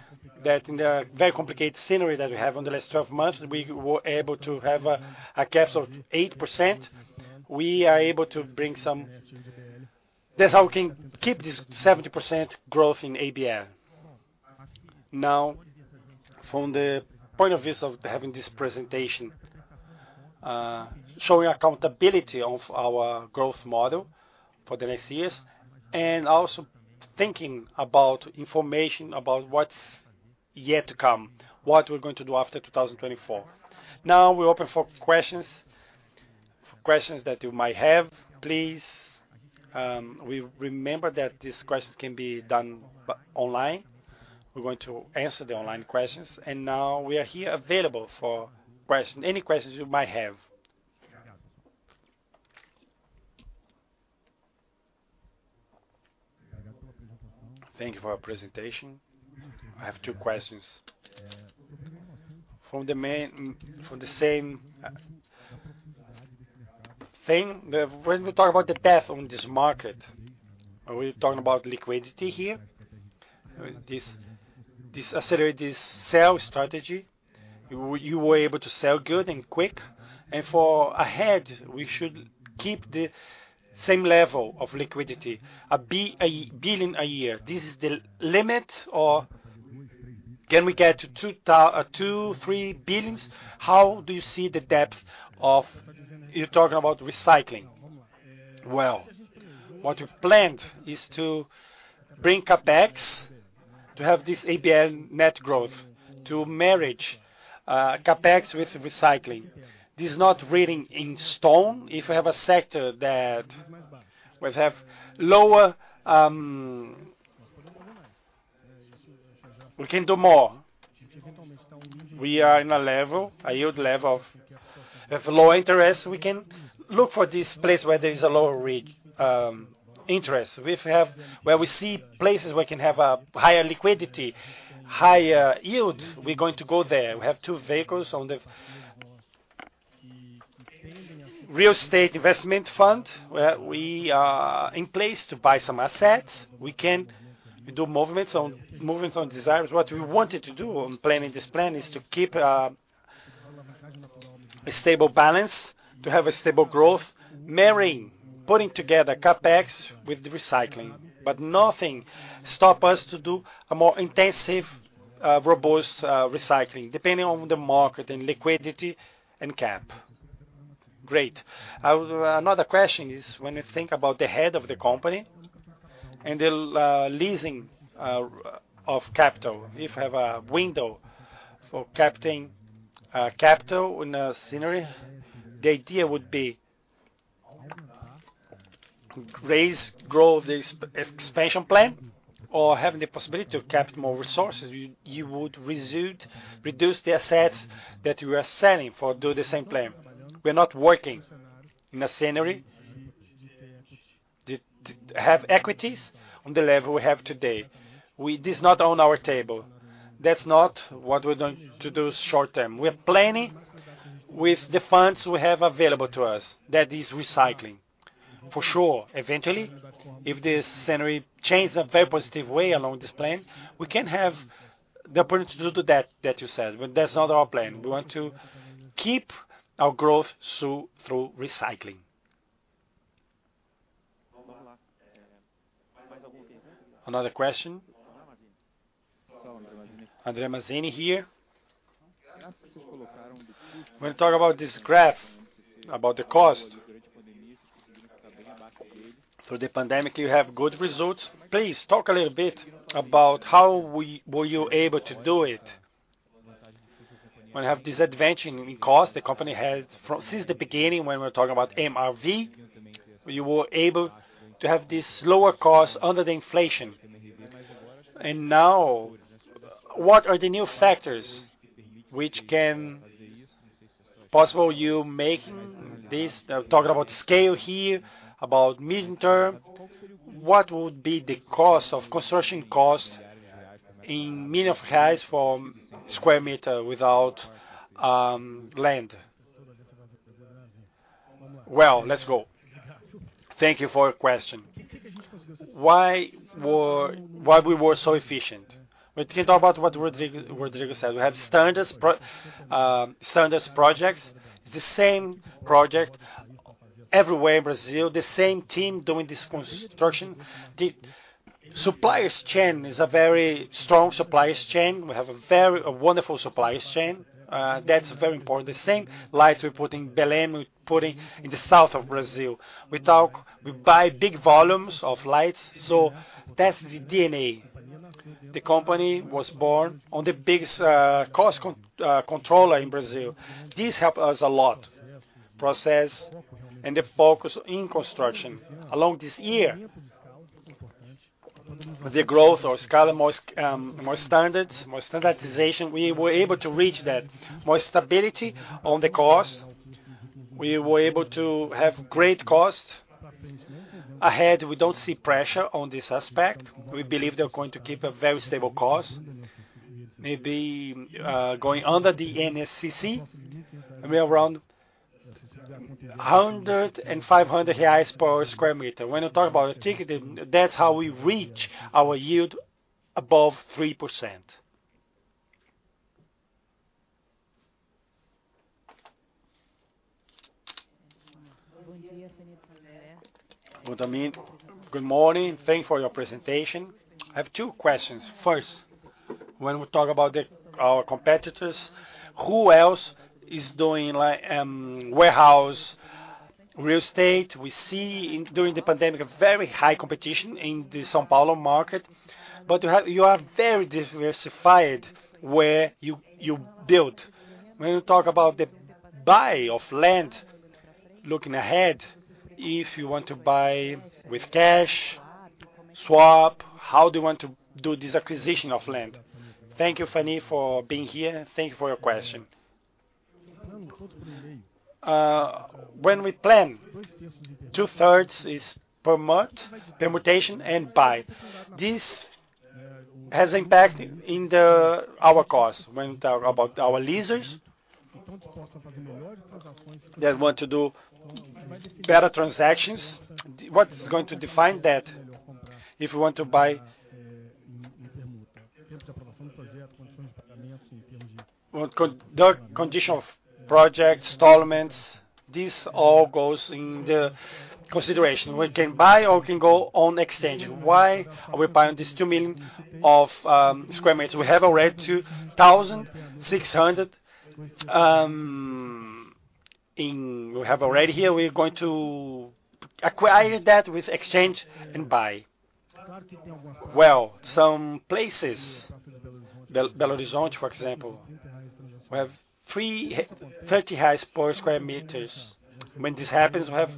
that in the very complicated scenario that we have on the last 12 months, we were able to have a CapEx of 8%. We are able to bring some-- that's how we can keep this 70% growth in ABL. Now, from the point of view of having this presentation, showing accountability of our growth model for the next years, and also thinking about information about what's yet to come, what we're going to do after 2024. Now, we're open for questions, for questions that you might have, please. We remember that these questions can be done online. We're going to answer the online questions, and now we are here available for questions, any questions you might have. Thank you for your presentation. I have two questions. From the same thing, when we talk about the depth on this market, are we talking about liquidity here? This accelerated sell strategy, you were able to sell good and quick, and going ahead, we should keep the same level of liquidity, 1 billion a year. This is the limit, or can we get to 2 billion-3 billion? How do you see the depth of... You're talking about recycling? Well, what we've planned is to bring CapEx, to have this ABL net growth, to marry CapEx with recycling. This is not written in stone. If we have a sector that will have lower... We can do more. We are in a level, a yield level of low interest. We can look for this place where there is a lower rate interest. If we have-- where we see places we can have a higher liquidity, higher yield, we're going to go there. We have two vehicles on the real estate investment fund, where we are in place to buy some assets. We can do movements on, movements on FIIs. What we wanted to do on planning this plan is to keep a stable balance, to have a stable growth, marrying putting together CapEx with the recycling, but nothing stops us to do a more intensive robust recycling, depending on the market and liquidity and cap rate. Great. Another question is, when you think about the debt of the company and the raising of capital, if you have a window for capital in a scenario, the idea would be raise grow this expansion plan, or having the possibility to capture more resources, you would reduce the assets that you are selling to do the same plan. We're not working in a scenario that has equity on the level we have today. We. This is not on our table. That's not what we're going to do short term. We are planning with the funds we have available to us, that is recycling. For sure, eventually, if this scenario changes a very positive way along this plan, we can have the opportunity to do that, that you said, but that's not our plan. We want to keep our growth through, through recycling. Another question? Andre Mazzini here. When you talk about this graph, about the cost, through the pandemic, you have good results. Please, talk a little bit about how were you able to do it? When you have this advantage in cost, the company had since the beginning, when we're talking about MRV, you were able to have this lower cost under the inflation. And now, what are the new factors which can possibly you making this? I'm talking about the scale here, about mid-term. What would be the cost of construction cost in million of cash for square meter without land? Well, let's go. Thank you for your question. Why were we so efficient? We can talk about what Rodrigo said. We have standards projects, the same project everywhere in Brazil, the same team doing this construction. The supply chain is a very strong supply chain. We have a very wonderful supply chain. That's very important. The same lights we put in Belém, we put in the south of Brazil. We buy big volumes of lights, so that's the DNA. The company was born on the biggest cost controller in Brazil. This helped us a lot, process and the focus in construction. Along this year, the growth or scale, more standards, more standardization, we were able to reach that. More stability on the cost. We were able to have great cost. Ahead, we don't see pressure on this aspect. We believe they're going to keep a very stable cost. Maybe going under the NSCC, maybe around 105 reais per sq m. When you talk about ticket, that's how we reach our yield above 3%. Good morning. Good morning. Thank you for your presentation. I have two questions. First, when we talk about the, our competitors, who else is doing like warehouse real estate? We see during the pandemic, a very high competition in the São Paulo market, but you are very diversified where you, you build. When you talk about the buy of land, looking ahead, if you want to buy with cash, swap, how do you want to do this acquisition of land? Thank you, Fanny, for being here, and thank you for your question. When we plan, 2/3 is permutations, and buy. This has impact in the, our cost. When we talk about our lessees, they want to do better transactions. What is going to define that? If we want to buy... The condition of projects, tenants, this all goes in the consideration. We can buy or we can go on exchange. Why are we buying this 2 million sq m? We have already 2,600, and we have already here, we're going to acquire that with exchange and buy. Well, some places, Belo Horizonte, for example, we have 330 reads per sq m. When this happens, we have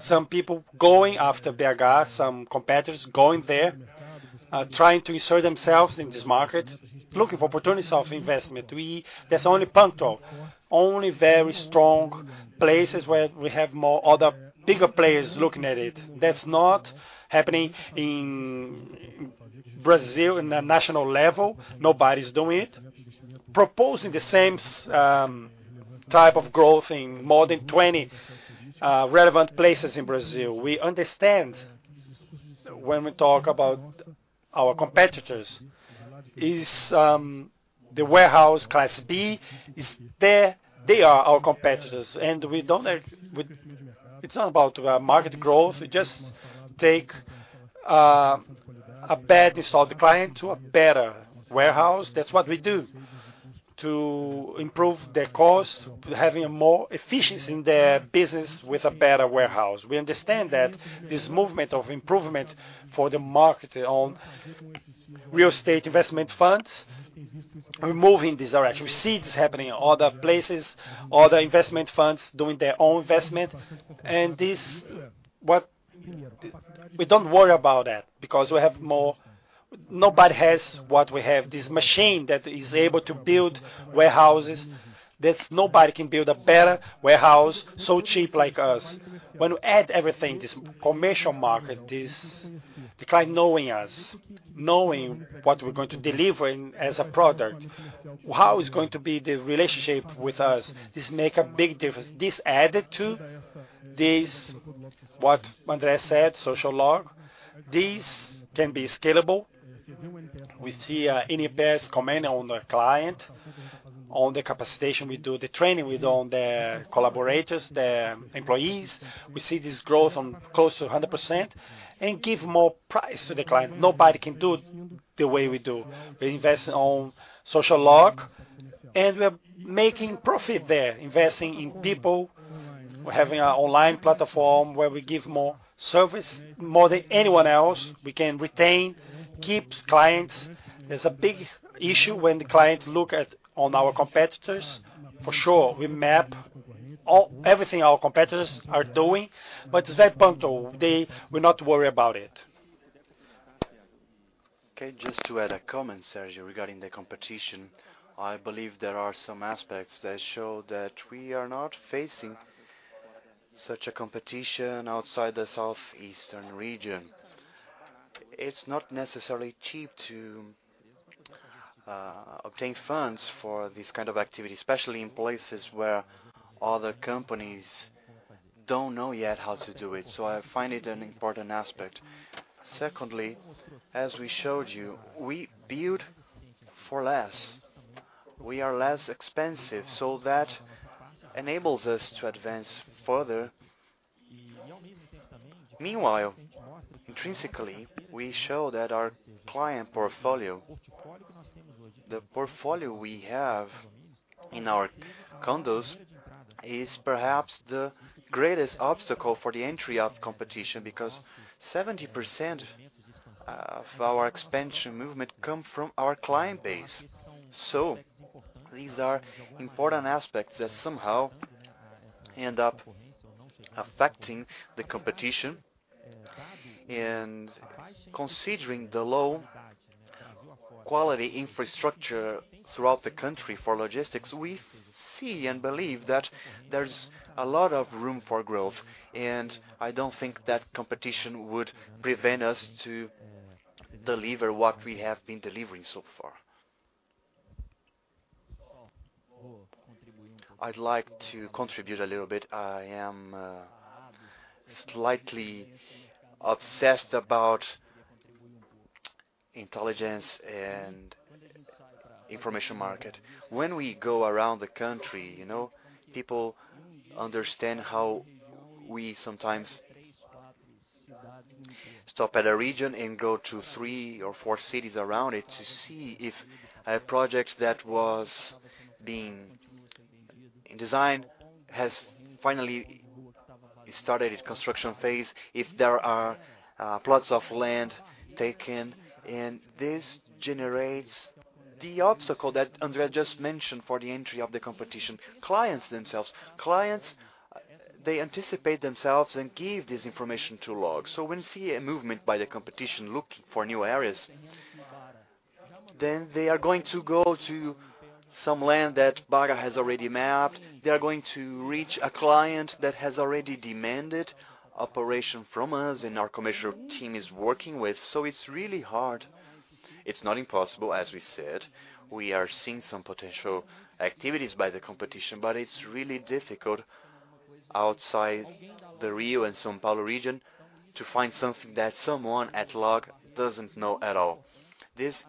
some people going after BH, some competitors going there, trying to insert themselves in this market, looking for opportunities of investment. That's only Panto, only very strong places where we have more other bigger players looking at it. That's not happening in Brazil in a national level. Nobody's doing it. Proposing the same, type of growth in more than 20, relevant places in Brazil. We understand when we talk about our competitors, is the warehouse class B, is they are our competitors, and It's not about, market growth. We just take, a bad installed client to a better warehouse. That's what we do to improve their cost, having a more efficiency in their business with a better warehouse. We understand that this movement of improvement for the market on real estate investment funds; we're moving this direction. We see this happening in other places, other investment funds doing their own investment, and this. We don't worry about that because we have more. Nobody has what we have, this machine that is able to build warehouses, that nobody can build a better warehouse so cheap like us. When you add everything, this commercial market, this, the client knowing us, knowing what we're going to deliver as a product, how is going to be the relationship with us, this make a big difference. This added to this, what André said, Log Social, this can be scalable. We see a NPS comment on the client, on the capacitation we do, the training we do on the collaborators, the employees. We see this growth on close to 100% and give more price to the client. Nobody can do it the way we do. We invest on Log Social, and we are making profit there, investing in people. We're having an online platform where we give more service more than anyone else. We can retain, keeps clients. There's a big issue when the client look at on our competitors. For sure, we map all- everything our competitors are doing, but that Panattoni they will not worry about it. Okay, just to add a comment, Sérgio, regarding the competition, I believe there are some aspects that show that we are not facing such a competition outside the southeastern region. It's not necessarily cheap to obtain funds for this kind of activity, especially in places where other companies don't know yet how to do it, so I find it an important aspect. Secondly, as we showed you, we build for less. We are less expensive, so that enables us to advance further. Meanwhile, intrinsically, we show that our client portfolio, the portfolio we have in our condos, is perhaps the greatest obstacle for the entry of competition, because 70% of our expansion movement come from our client base. So these are important aspects that somehow end up affecting the competition. Considering the low quality infrastructure throughout the country for logistics, we-... see and believe that there's a lot of room for growth, and I don't think that competition would prevent us to deliver what we have been delivering so far. I'd like to contribute a little bit. I am slightly obsessed about intelligence and information market. When we go around the country, you know, people understand how we sometimes stop at a region and go to three or four cities around it to see if a project that was being designed has finally started its construction phase, if there are plots of land taken, and this generates the obstacle that André just mentioned for the entry of the competition. Clients themselves, clients, they anticipate themselves and give this information to LOG. So when see a movement by the competition, looking for new areas, then they are going to go to some land that LOG has already mapped. They are going to reach a client that has already demanded operation from us, and our commercial team is working with. So it's really hard. It's not impossible, as we said. We are seeing some potential activities by the competition, but it's really difficult outside the Rio and São Paulo region to find something that someone at Log doesn't know at all. This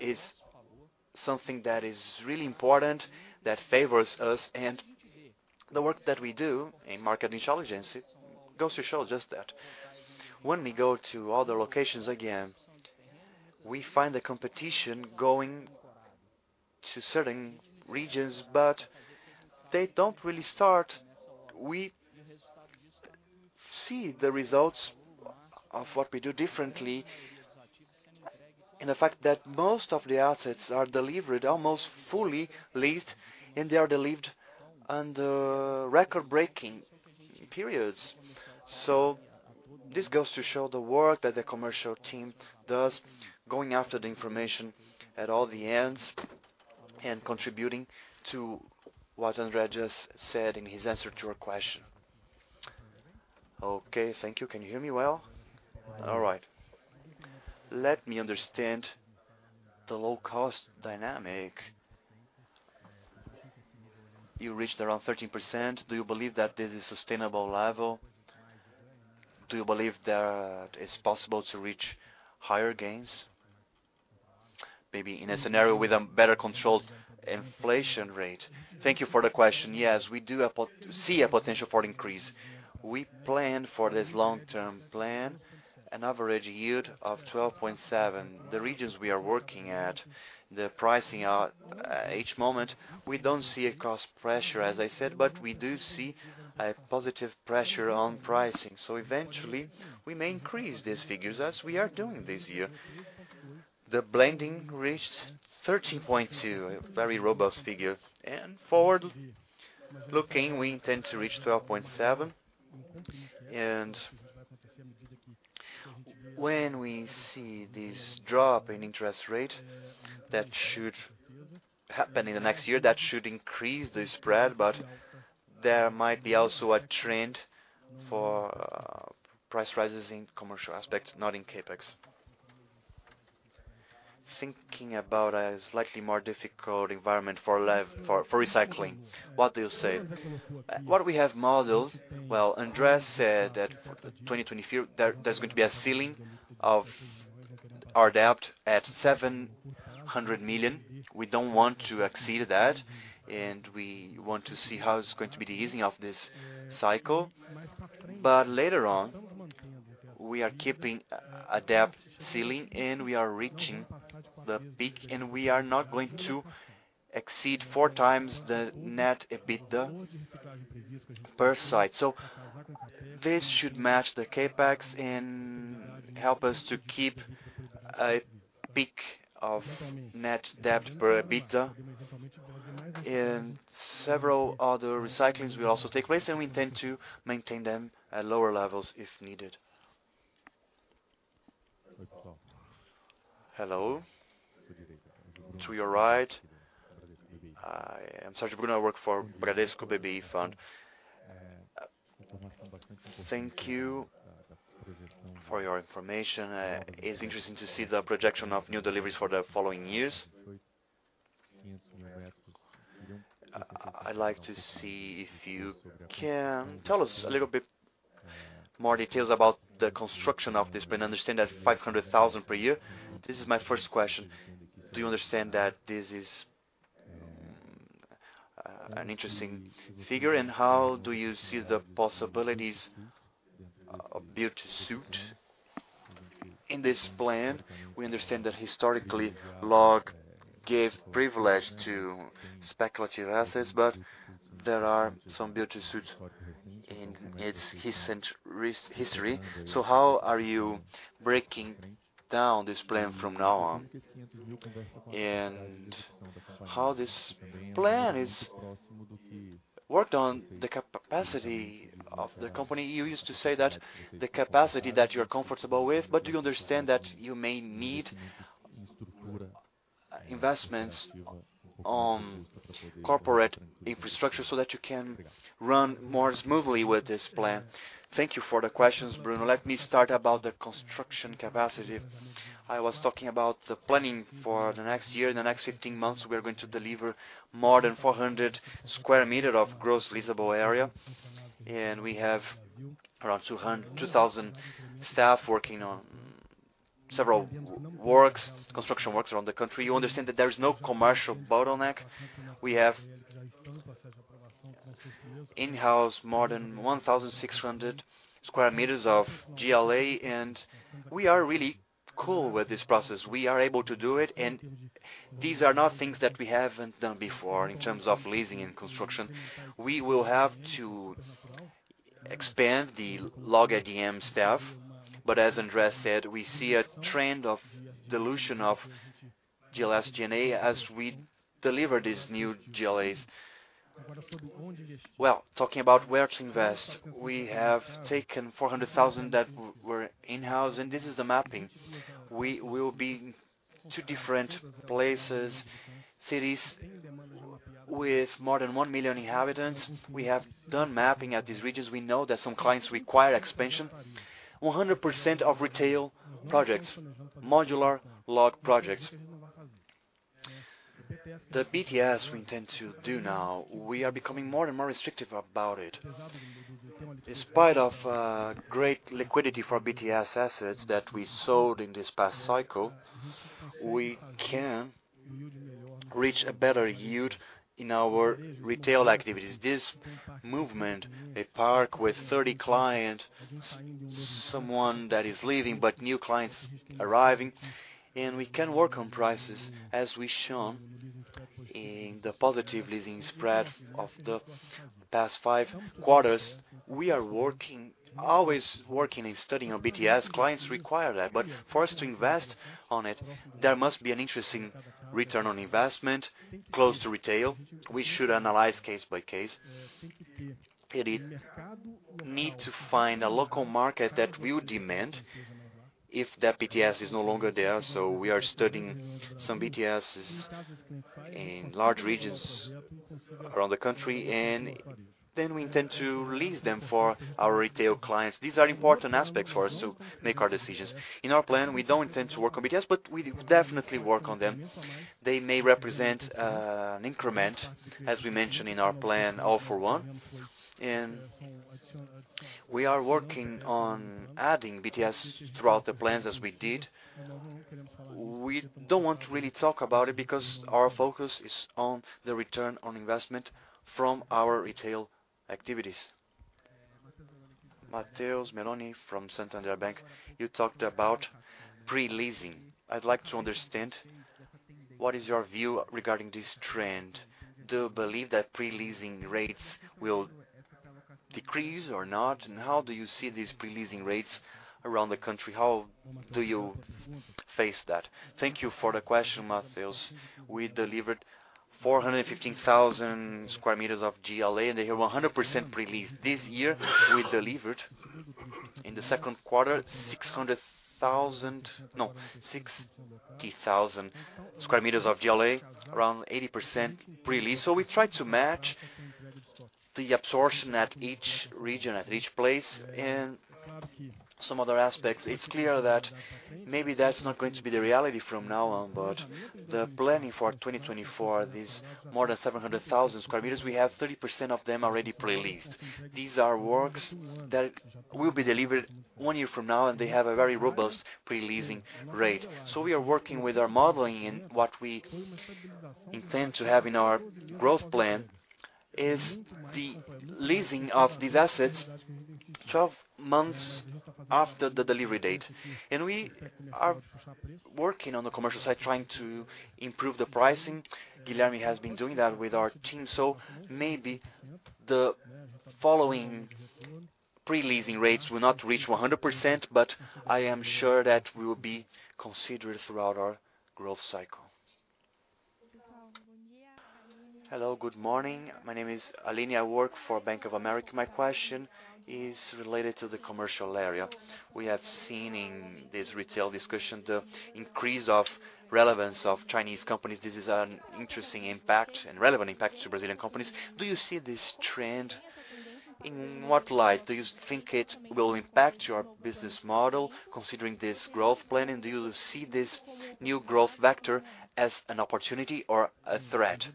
is something that is really important, that favors us, and the work that we do in market intelligence, it goes to show just that. When we go to other locations again, we find the competition going to certain regions, but they don't really start. We see the results of what we do differently, and the fact that most of the assets are delivered almost fully leased, and they are delivered under record-breaking periods. So this goes to show the work that the commercial team does, going after the information at all the ends and contributing to what André just said in his answer to your question. Okay. Thank you. Can you hear me well? All right. Let me understand the low cost dynamic. You reached around 13%. Do you believe that this is sustainable level? Do you believe that it's possible to reach higher gains, maybe in a scenario with a better controlled inflation rate? Thank you for the question. Yes, we do have see a potential for increase. We planned for this long-term plan, an average yield of 12.7. The regions we are working at, the pricing of each moment, we don't see a cost pressure, as I said, but we do see a positive pressure on pricing. So eventually, we may increase these figures as we are doing this year. The blending reached 13.2, a very robust figure, and forward-looking, we intend to reach 12.7. And when we see this drop in interest rate, that should happen in the next year, that should increase the spread, but there might be also a trend for price rises in commercial aspects, not in CapEx. Thinking about a slightly more difficult environment for recycling, what do you say? What we have modeled... Well, Andre said that 2025, there, there's going to be a ceiling of our debt at 700 million. We don't want to exceed that, and we want to see how it's going to be the easing of this cycle. But later on, we are keeping a debt ceiling, and we are reaching the peak, and we are not going to exceed four times the net EBITDA per site. So this should match the CapEx and help us to keep a peak of net debt per EBITDA. And several other recyclings will also take place, and we tend to maintain them at lower levels if needed. Hello. To your right, I am Sergio Bruno. I work for Bradesco BBI Fund. Thank you for your information. It's interesting to see the projection of new deliveries for the following years. I'd like to see if you can tell us a little bit more details about the construction of this plan. I understand that 500,000 per year. This is my first question: Do you understand that this is, an interesting figure, and how do you see the possibilities of Built-to-Suit? In this plan, we understand that historically, Log gave privilege to speculative assets, but there are some Built-to-Suit in its recent history. So how are you breaking down this plan from now on, and how this plan is worked on the capacity of the company? You used to say that the capacity that you're comfortable with, but do you understand that you may need investments on corporate infrastructure so that you can run more smoothly with this plan. Thank you for the questions, Bruno. Let me start about the construction capacity. I was talking about the planning for the next year. In the next 15 months, we are going to deliver more than 400 sq m of gross leasable area, and we have around 2,000 staff working on several works, construction works around the country. You understand that there is no commercial bottleneck. We have in-house more than 1,600 sq m of GLA, and we are really cool with this process. We are able to do it, and these are not things that we haven't done before in terms of leasing and construction. We will have to expand the LOG ADM staff, but as Andreas said, we see a trend of dilution of G&A as we deliver these new GLAs. Well, talking about where to invest, we have taken 400,000 that were in-house, and this is the mapping. We will be two different places, cities with more than 1 million inhabitants. We have done mapping at these regions. We know that some clients require expansion. 100% of retail projects, modular LOG projects. The BTS we intend to do now, we are becoming more and more restrictive about it. In spite of great liquidity for BTS assets that we sold in this past cycle, we can reach a better yield in our retail activities. This movement, a park with 30 clients, someone that is leaving, but new clients arriving, and we can work on prices, as we've shown in the positive leasing spread of the past 5 quarters. We are working, always working and studying our BTS. Clients require that, but for us to invest on it, there must be an interesting return on investment close to retail. We should analyze case by case. We need to find a local market that will demand if that BTS is no longer there. So we are studying some BTSs in large regions around the country, and then we intend to lease them for our retail clients. These are important aspects for us to make our decisions. In our plan, we don't intend to work on BTS, but we definitely work on them. They may represent an increment, as we mentioned in our plan, All for One, and we are working on adding BTS throughout the plans as we did. We don't want to really talk about it, because our focus is on the return on investment from our retail activities. Matheus Meloni from Santander Bank. You talked about pre-leasing. I'd like to understand, what is your view regarding this trend? Do you believe that pre-leasing rates will decrease or not? How do you see these pre-leasing rates around the country? How do you face that? Thank you for the question, Matheus. We delivered 415,000 sq m of GLA, and they have 100% pre-leased. This year, we delivered in the second quarter, 600,000 sq m... No, 60,000 sq m of GLA, around 80% pre-lease. So we tried to match the absorption at each region, at each place and some other aspects. It's clear that maybe that's not going to be the reality from now on, but the planning for 2024, these more than 700,000 sq m, we have 30% of them already pre-leased. These are works that will be delivered one year from now, and they have a very robust pre-leasing rate. So we are working with our modeling, and what we intend to have in our growth plan is the leasing of these assets 12 months after the delivery date. And we are working on the commercial side, trying to improve the pricing. Guilherme has been doing that with our team, so maybe the following pre-leasing rates will not reach 100%, but I am sure that we will be considered throughout our growth cycle. Hello, good morning. My name is Aline. I work for Bank of America. My question is related to the commercial area. We have seen in this retail discussion the increase of relevance of Chinese companies. This is an interesting impact and relevant impact to Brazilian companies. Do you see this trend? In what light do you think it will impact your business model, considering this growth plan, and do you see this new growth vector as an opportunity or a threat?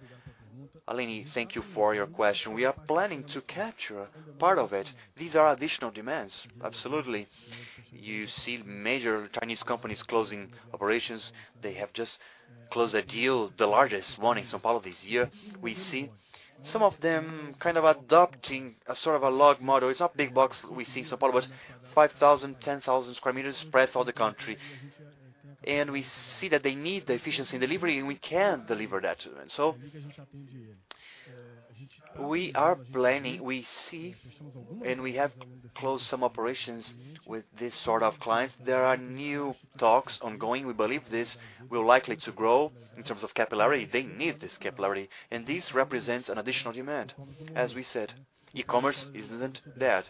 Aline, thank you for your question. We are planning to capture part of it. These are additional demands, absolutely. You see major Chinese companies closing operations. They have just closed a deal, the largest one in São Paulo this year. We see some of them kind of adopting a sort of a LOG model. It's not big box we see in São Paulo, but 5,000 sq m-10,000 sq m spread for the country, and we see that they need the efficiency and delivery, and we can deliver that to them. So we are planning, we see, and we have closed some operations with this sort of clients. There are new talks ongoing. We believe this will likely to grow in terms of capillarity. They need this capillarity, and this represents an additional demand. As we said, e-commerce isn't dead....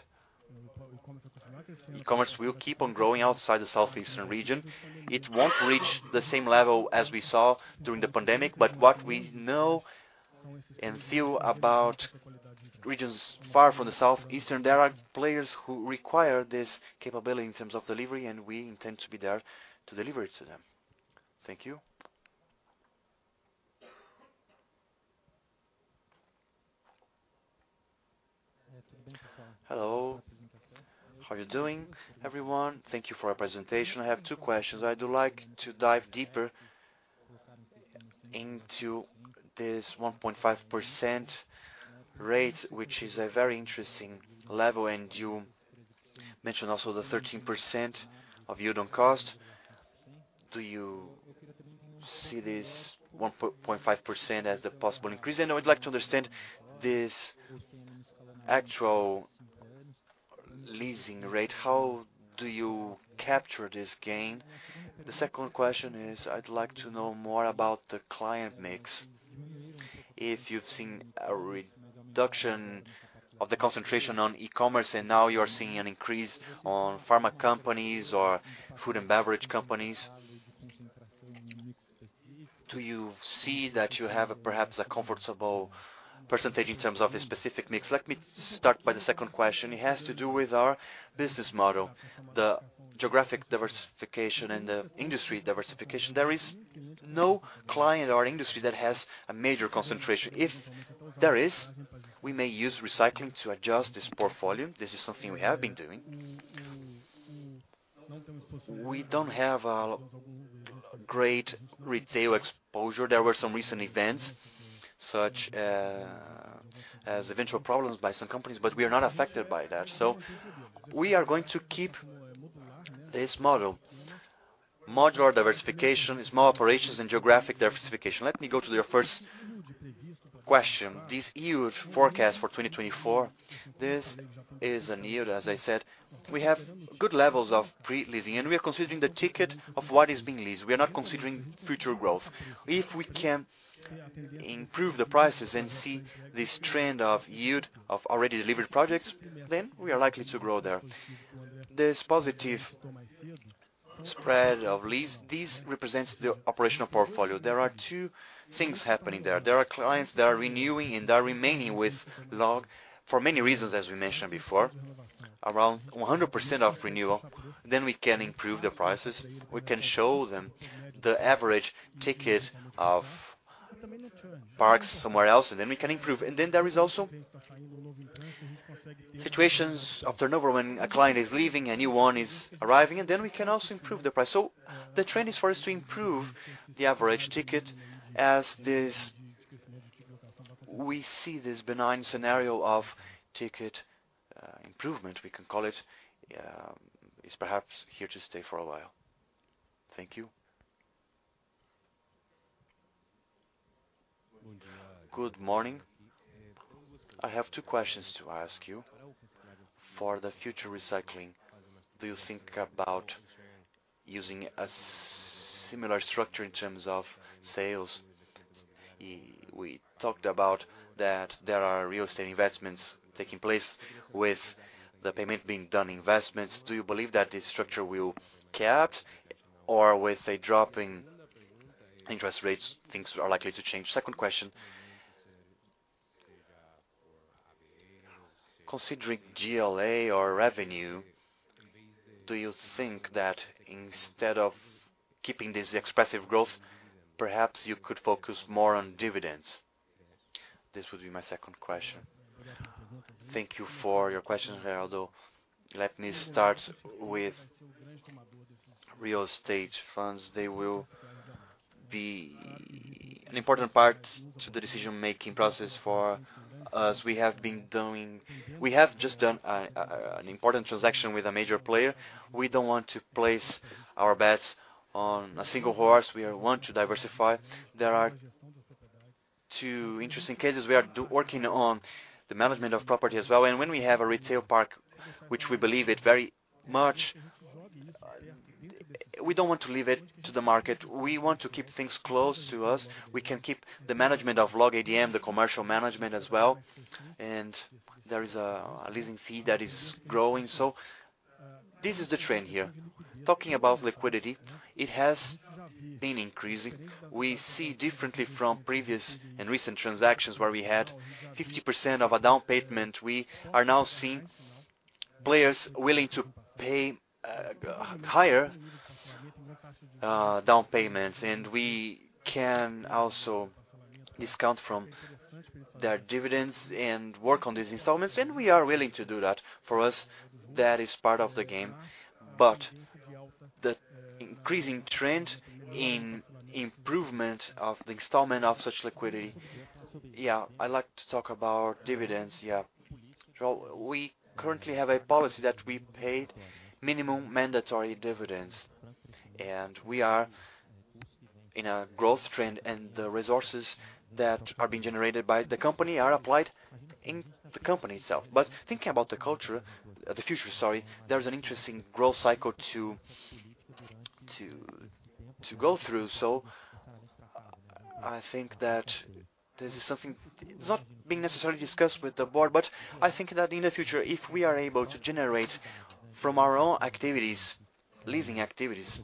E-commerce will keep on growing outside the Southeastern region. It won't reach the same level as we saw during the pandemic, but what we know and feel about regions far from the Southeastern, there are players who require this capability in terms of delivery, and we intend to be there to deliver it to them. Thank you. Hello. How are you doing, everyone? Thank you for your presentation. I have two questions. I'd like to dive deeper into this 1.5% rate, which is a very interesting level, and you mentioned also the 13% of yield on cost. Do you see this 1.5% as the possible increase? I would like to understand this actual leasing rate, how do you capture this gain? The second question is, I'd like to know more about the client mix. If you've seen a reduction of the concentration on e-commerce, and now you are seeing an increase on pharma companies or food and beverage companies, do you see that you have perhaps a comfortable percentage in terms of a specific mix? Let me start by the second question. It has to do with our business model, the geographic diversification and the industry diversification. There is no client or industry that has a major concentration. If there is, we may use recycling to adjust this portfolio. This is something we have been doing. We don't have a great retail exposure. There were some recent events, such as eventual problems by some companies, but we are not affected by that. We are going to keep this model. Modular diversification is more operations and geographic diversification. Let me go to your first question. This yield forecast for 2024, this is a yield, as I said, we have good levels of pre-leasing, and we are considering the ticket of what is being leased. We are not considering future growth. If we can improve the prices and see this trend of yield of already delivered projects, then we are likely to grow there. This positive spread of lease, this represents the operational portfolio. There are two things happening there. There are clients that are renewing and are remaining with LOG for many reasons, as we mentioned before, around 100% of renewal, then we can improve the prices. We can show them the average ticket of parks somewhere else, and then we can improve. Then there is also situations of turnover when a client is leaving, a new one is arriving, and then we can also improve the price. The trend is for us to improve the average ticket as this. We see this benign scenario of ticket improvement, we can call it, is perhaps here to stay for a while. Thank you. Good morning. I have two questions to ask you. For the future recycling, do you think about using a similar structure in terms of sales? We talked about that there are real estate investments taking place with the payment being done, investments. Do you believe that this structure will be kept or with a drop in interest rates, things are likely to change? Second question, considering GLA or revenue, do you think that instead of keeping this expressive growth, perhaps you could focus more on dividends? This would be my second question. Thank you for your questions, Geraldo. Let me start with real estate funds. They will be an important part to the decision-making process for us. We have just done an important transaction with a major player. We don't want to place our bets on a single horse. We want to diversify. There are two interesting cases. We are working on the management of property as well, and when we have a retail park, which we believe it very much, we don't want to leave it to the market. We want to keep things close to us. We can keep the management of LOG ADM, the commercial management as well, and there is a leasing fee that is growing. So this is the trend here. Talking about liquidity, it has been increasing. We see differently from previous and recent transactions where we had 50% of a down payment. We are now seeing players willing to pay higher down payments, and we can also discount from their dividends and work on these installments, and we are willing to do that. For us, that is part of the game. But the increasing trend in improvement of the installment of such liquidity... Yeah, I'd like to talk about dividends. Yeah. So we currently have a policy that we paid minimum mandatory dividends, and we are in a growth trend, and the resources that are being generated by the company are applied in the company itself. But thinking about the culture, the future, sorry, there is an interesting growth cycle to go through. So- I think that this is something, it's not being necessarily discussed with the board, but I think that in the future, if we are able to generate from our own activities, leasing activities,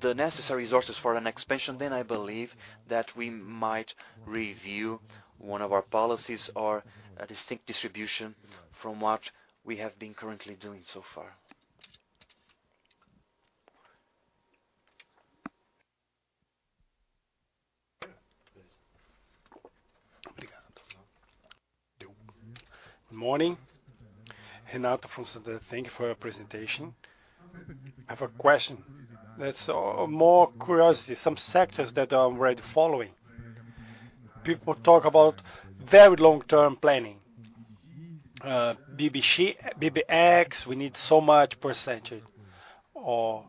the necessary resources for an expansion, then I believe that we might review one of our policies or a distinct distribution from what we have been currently doing so far. Good morning. Renato from Santander. Thank you for your presentation. I have a question that's, more curiosity. Some sectors that are already following. People talk about very long-term planning. B2C, B2B, we need so much percentage. Or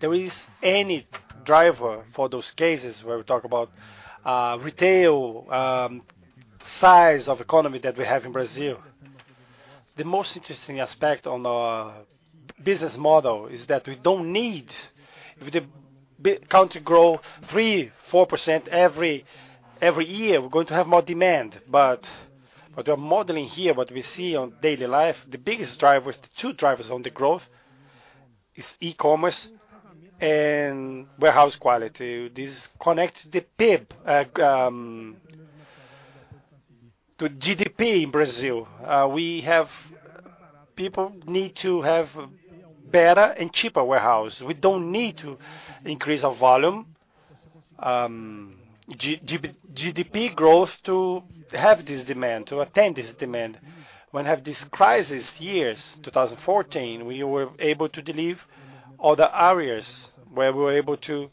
there is any driver for those cases where we talk about, retail, size of economy that we have in Brazil? The most interesting aspect on our business model is that we don't need, if the country grow 3%-4% every year, we're going to have more demand. But the modeling here, what we see on daily life, the biggest drivers, the two drivers on the growth is e-commerce and warehouse quality. This connects the PIB to GDP in Brazil. We have people need to have better and cheaper warehouse. We don't need to increase our volume. GDP growth to have this demand, to attend this demand. When have this crisis years, 2014, we were able to deliver other areas where we were able to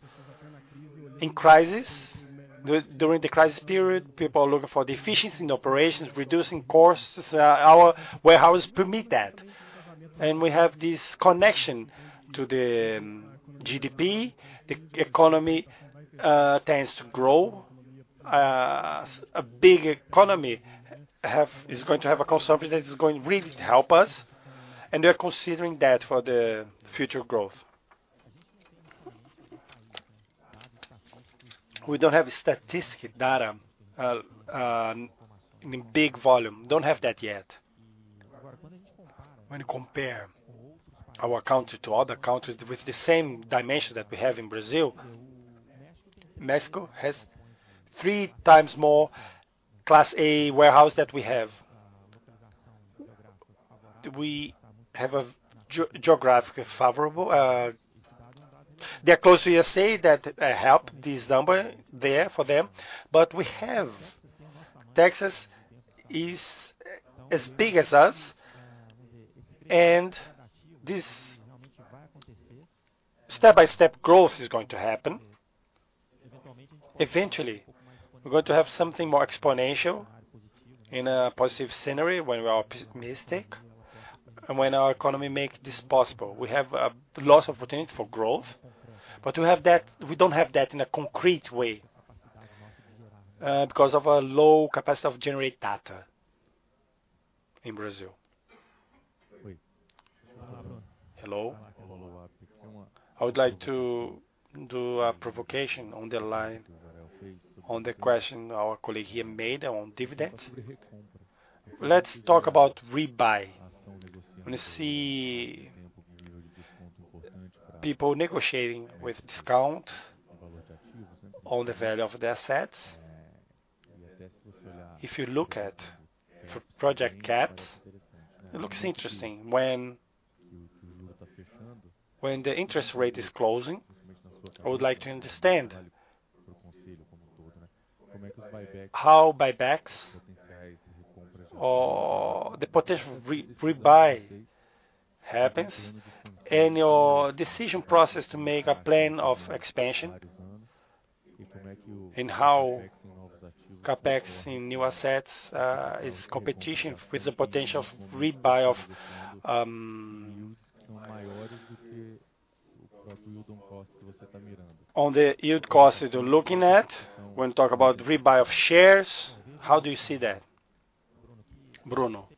during the crisis period, people are looking for the efficiency in operations, reducing costs. Our warehouses permit that, and we have this connection to the GDP. The economy tends to grow. A big economy has – is going to have a consumption that is going to really help us, and we are considering that for the future growth. We don't have a statistic data in big volume. Don't have that yet. When you compare our country to other countries with the same dimension that we have in Brazil, Mexico has three times more Class A warehouse than we have. We have a geographical favorable. They're close to USA, that help this number there for them, but we have. Texas is as big as us, and this step-by-step growth is going to happen. Eventually, we're going to have something more exponential in a positive scenario when we are optimistic and when our economy make this possible. We have a lot of opportunity for growth, but we have that—we don't have that in a concrete way, because of our low capacity to generate data in Brazil. Hello. I would like to do a provocation on the line, on the question our colleague here made on dividends. Let's talk about rebuy. When you see people negotiating with discount on the value of their assets, if you look at for project caps, it looks interesting when, when the interest rate is closing. I would like to understand how buybacks or the potential re-rebuy happens, and your decision process to make a plan of expansion, and how CapEx in new assets is competition with the potential rebuy of, on the yield cost that you're looking at, when you talk about rebuy of shares, how do you see that? Bruno.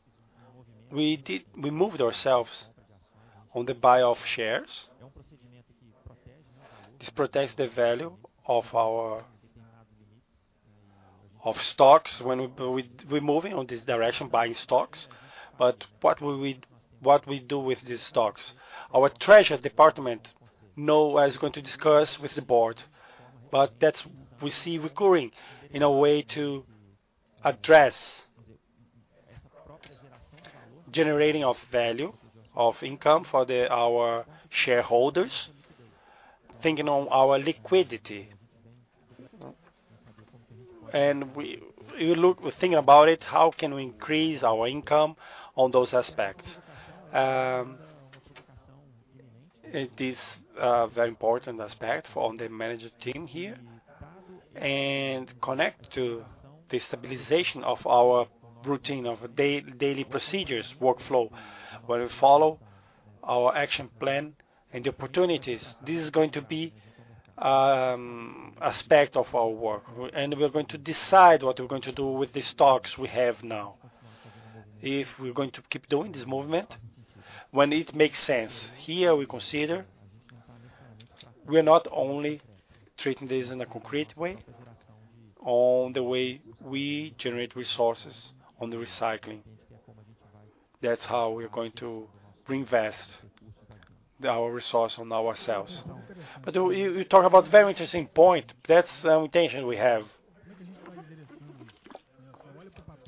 We did we moved ourselves on the buy of shares. This protects the value of our stocks when we we're moving in this direction, buying stocks. But what we do with these stocks? Our treasury department now is going to discuss with the board, but that's we see recurring in a way to address generating of value, of income for our shareholders, thinking on our liquidity. And we look, we think about it, how can we increase our income on those aspects? It is a very important aspect for the management team here, and connect to the stabilization of our routine, of daily procedures, workflow, where we follow our action plan and the opportunities. This is going to be aspect of our work, and we're going to decide what we're going to do with the stocks we have now. If we're going to keep doing this movement, when it makes sense. Here, we consider we are not only treating this in a concrete way, on the way we generate resources on the recycling. That's how we are going to reinvest our resource on ourselves. But you, you talk about very interesting point. That's the intention we have.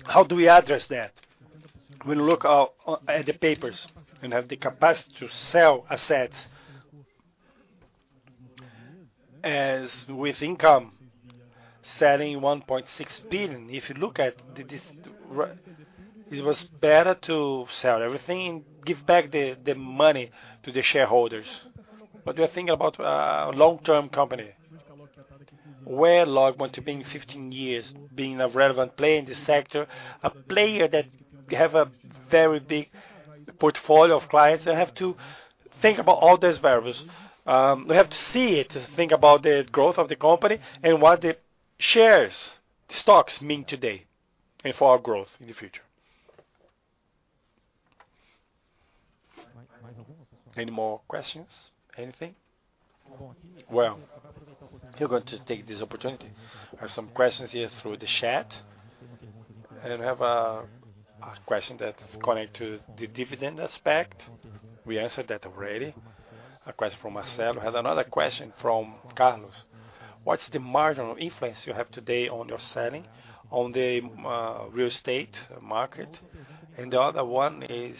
How do we address that? We look out at the papers and have the capacity to sell assets. As with income, selling 1.6 billion, if you look at the distribution it was better to sell everything and give back the, the money to the shareholders. But we are thinking about, long-term company, where LOG want to be in 15 years, being a relevant player in the sector, a player that have a very big portfolio of clients and have to think about all these variables. We have to see it, to think about the growth of the company and what the shares, stocks mean today, and for our growth in the future. Any more questions? Anything? Well, we're going to take this opportunity. There are some questions here through the chat, and we have a question that is connected to the dividend aspect. We answered that already. A question from Marcelo. We have another question from Carlos: What's the marginal influence you have today on your selling, on the real estate market? And the other one is: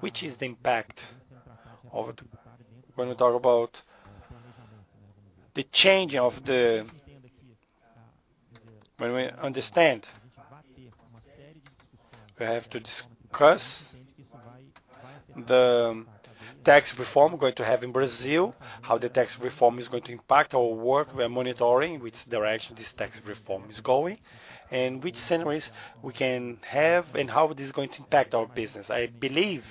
Which is the impact of the, when we talk about the change of the. When we understand, we have to discuss the tax reform we're going to have in Brazil, how the tax reform is going to impact our work. We are monitoring which direction this tax reform is going, and which scenarios we can have and how this is going to impact our business. I believe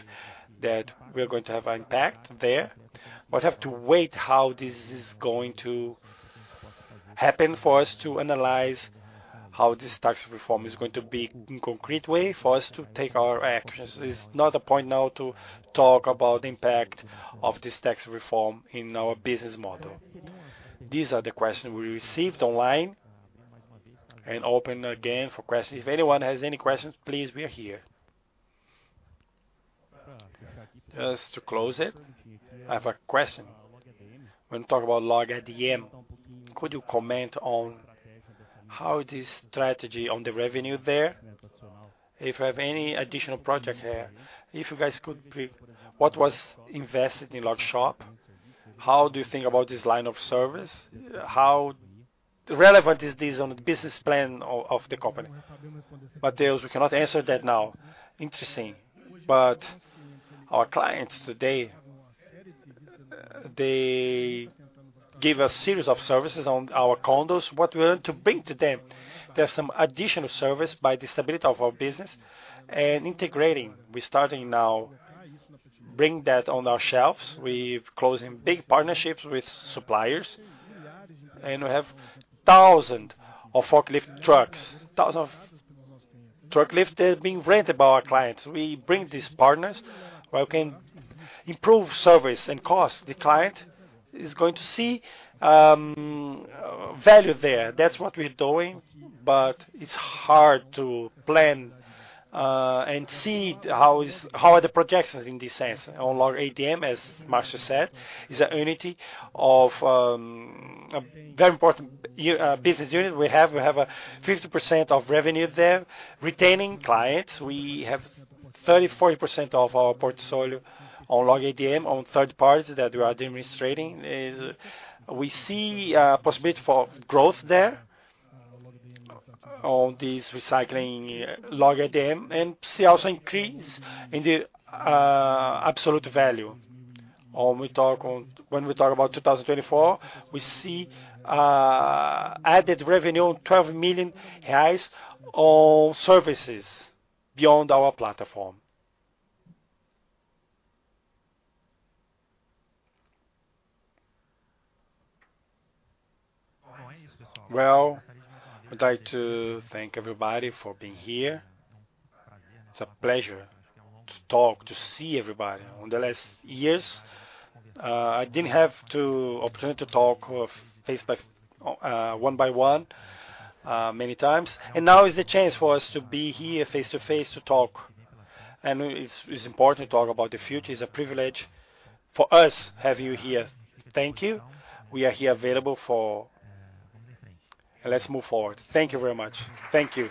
that we are going to have an impact there, but have to wait how this is going to happen for us to analyze how this tax reform is going to be in concrete way for us to take our actions. It's not a point now to talk about the impact of this tax reform in our business model. These are the questions we received online, and open again for questions. If anyone has any questions, please, we are here. Just to close it, I have a question. When you talk about LOG ADM, could you comment on how this strategy on the revenue there, if you have any additional project there, if you guys could what was invested in Log Shop? How do you think about this line of service? How relevant is this on the business plan of, of the company? Mateus, we cannot answer that now. Interesting. But our clients today, they give a series of services on our condos. What we want to bring to them, there's some additional service by the stability of our business and integrating. We're starting now, bring that on our shelves. We're closing big partnerships with suppliers, and we have thousands of forklift trucks, thousands of truck lifts that are being rented by our clients. We bring these partners where we can improve service and cost. The client is going to see value there. That's what we're doing, but it's hard to plan and see how is, how are the projections in this sense. On LOG ADM, as Marcio said, is a unit of a very important business unit. We have a 50% of revenue there, retaining clients. We have 30%-40% of our portfolio on LOG ADM, on third party that we are demonstrating. We see a possibility for growth there on this recycling LOG ADM, and see also increase in the absolute value. When we talk about 2024, we see added revenue, 12 million reais on services beyond our platform. Well, I'd like to thank everybody for being here. It's a pleasure to talk, to see everybody. In the last years, I didn't have the opportunity to talk face to face, one by one, many times, and now is the chance for us to be here face to face, to talk. It's, it's important to talk about the future. It's a privilege for us to have you here. Thank you. We are here available for... Let's move forward. Thank you very much. Thank you.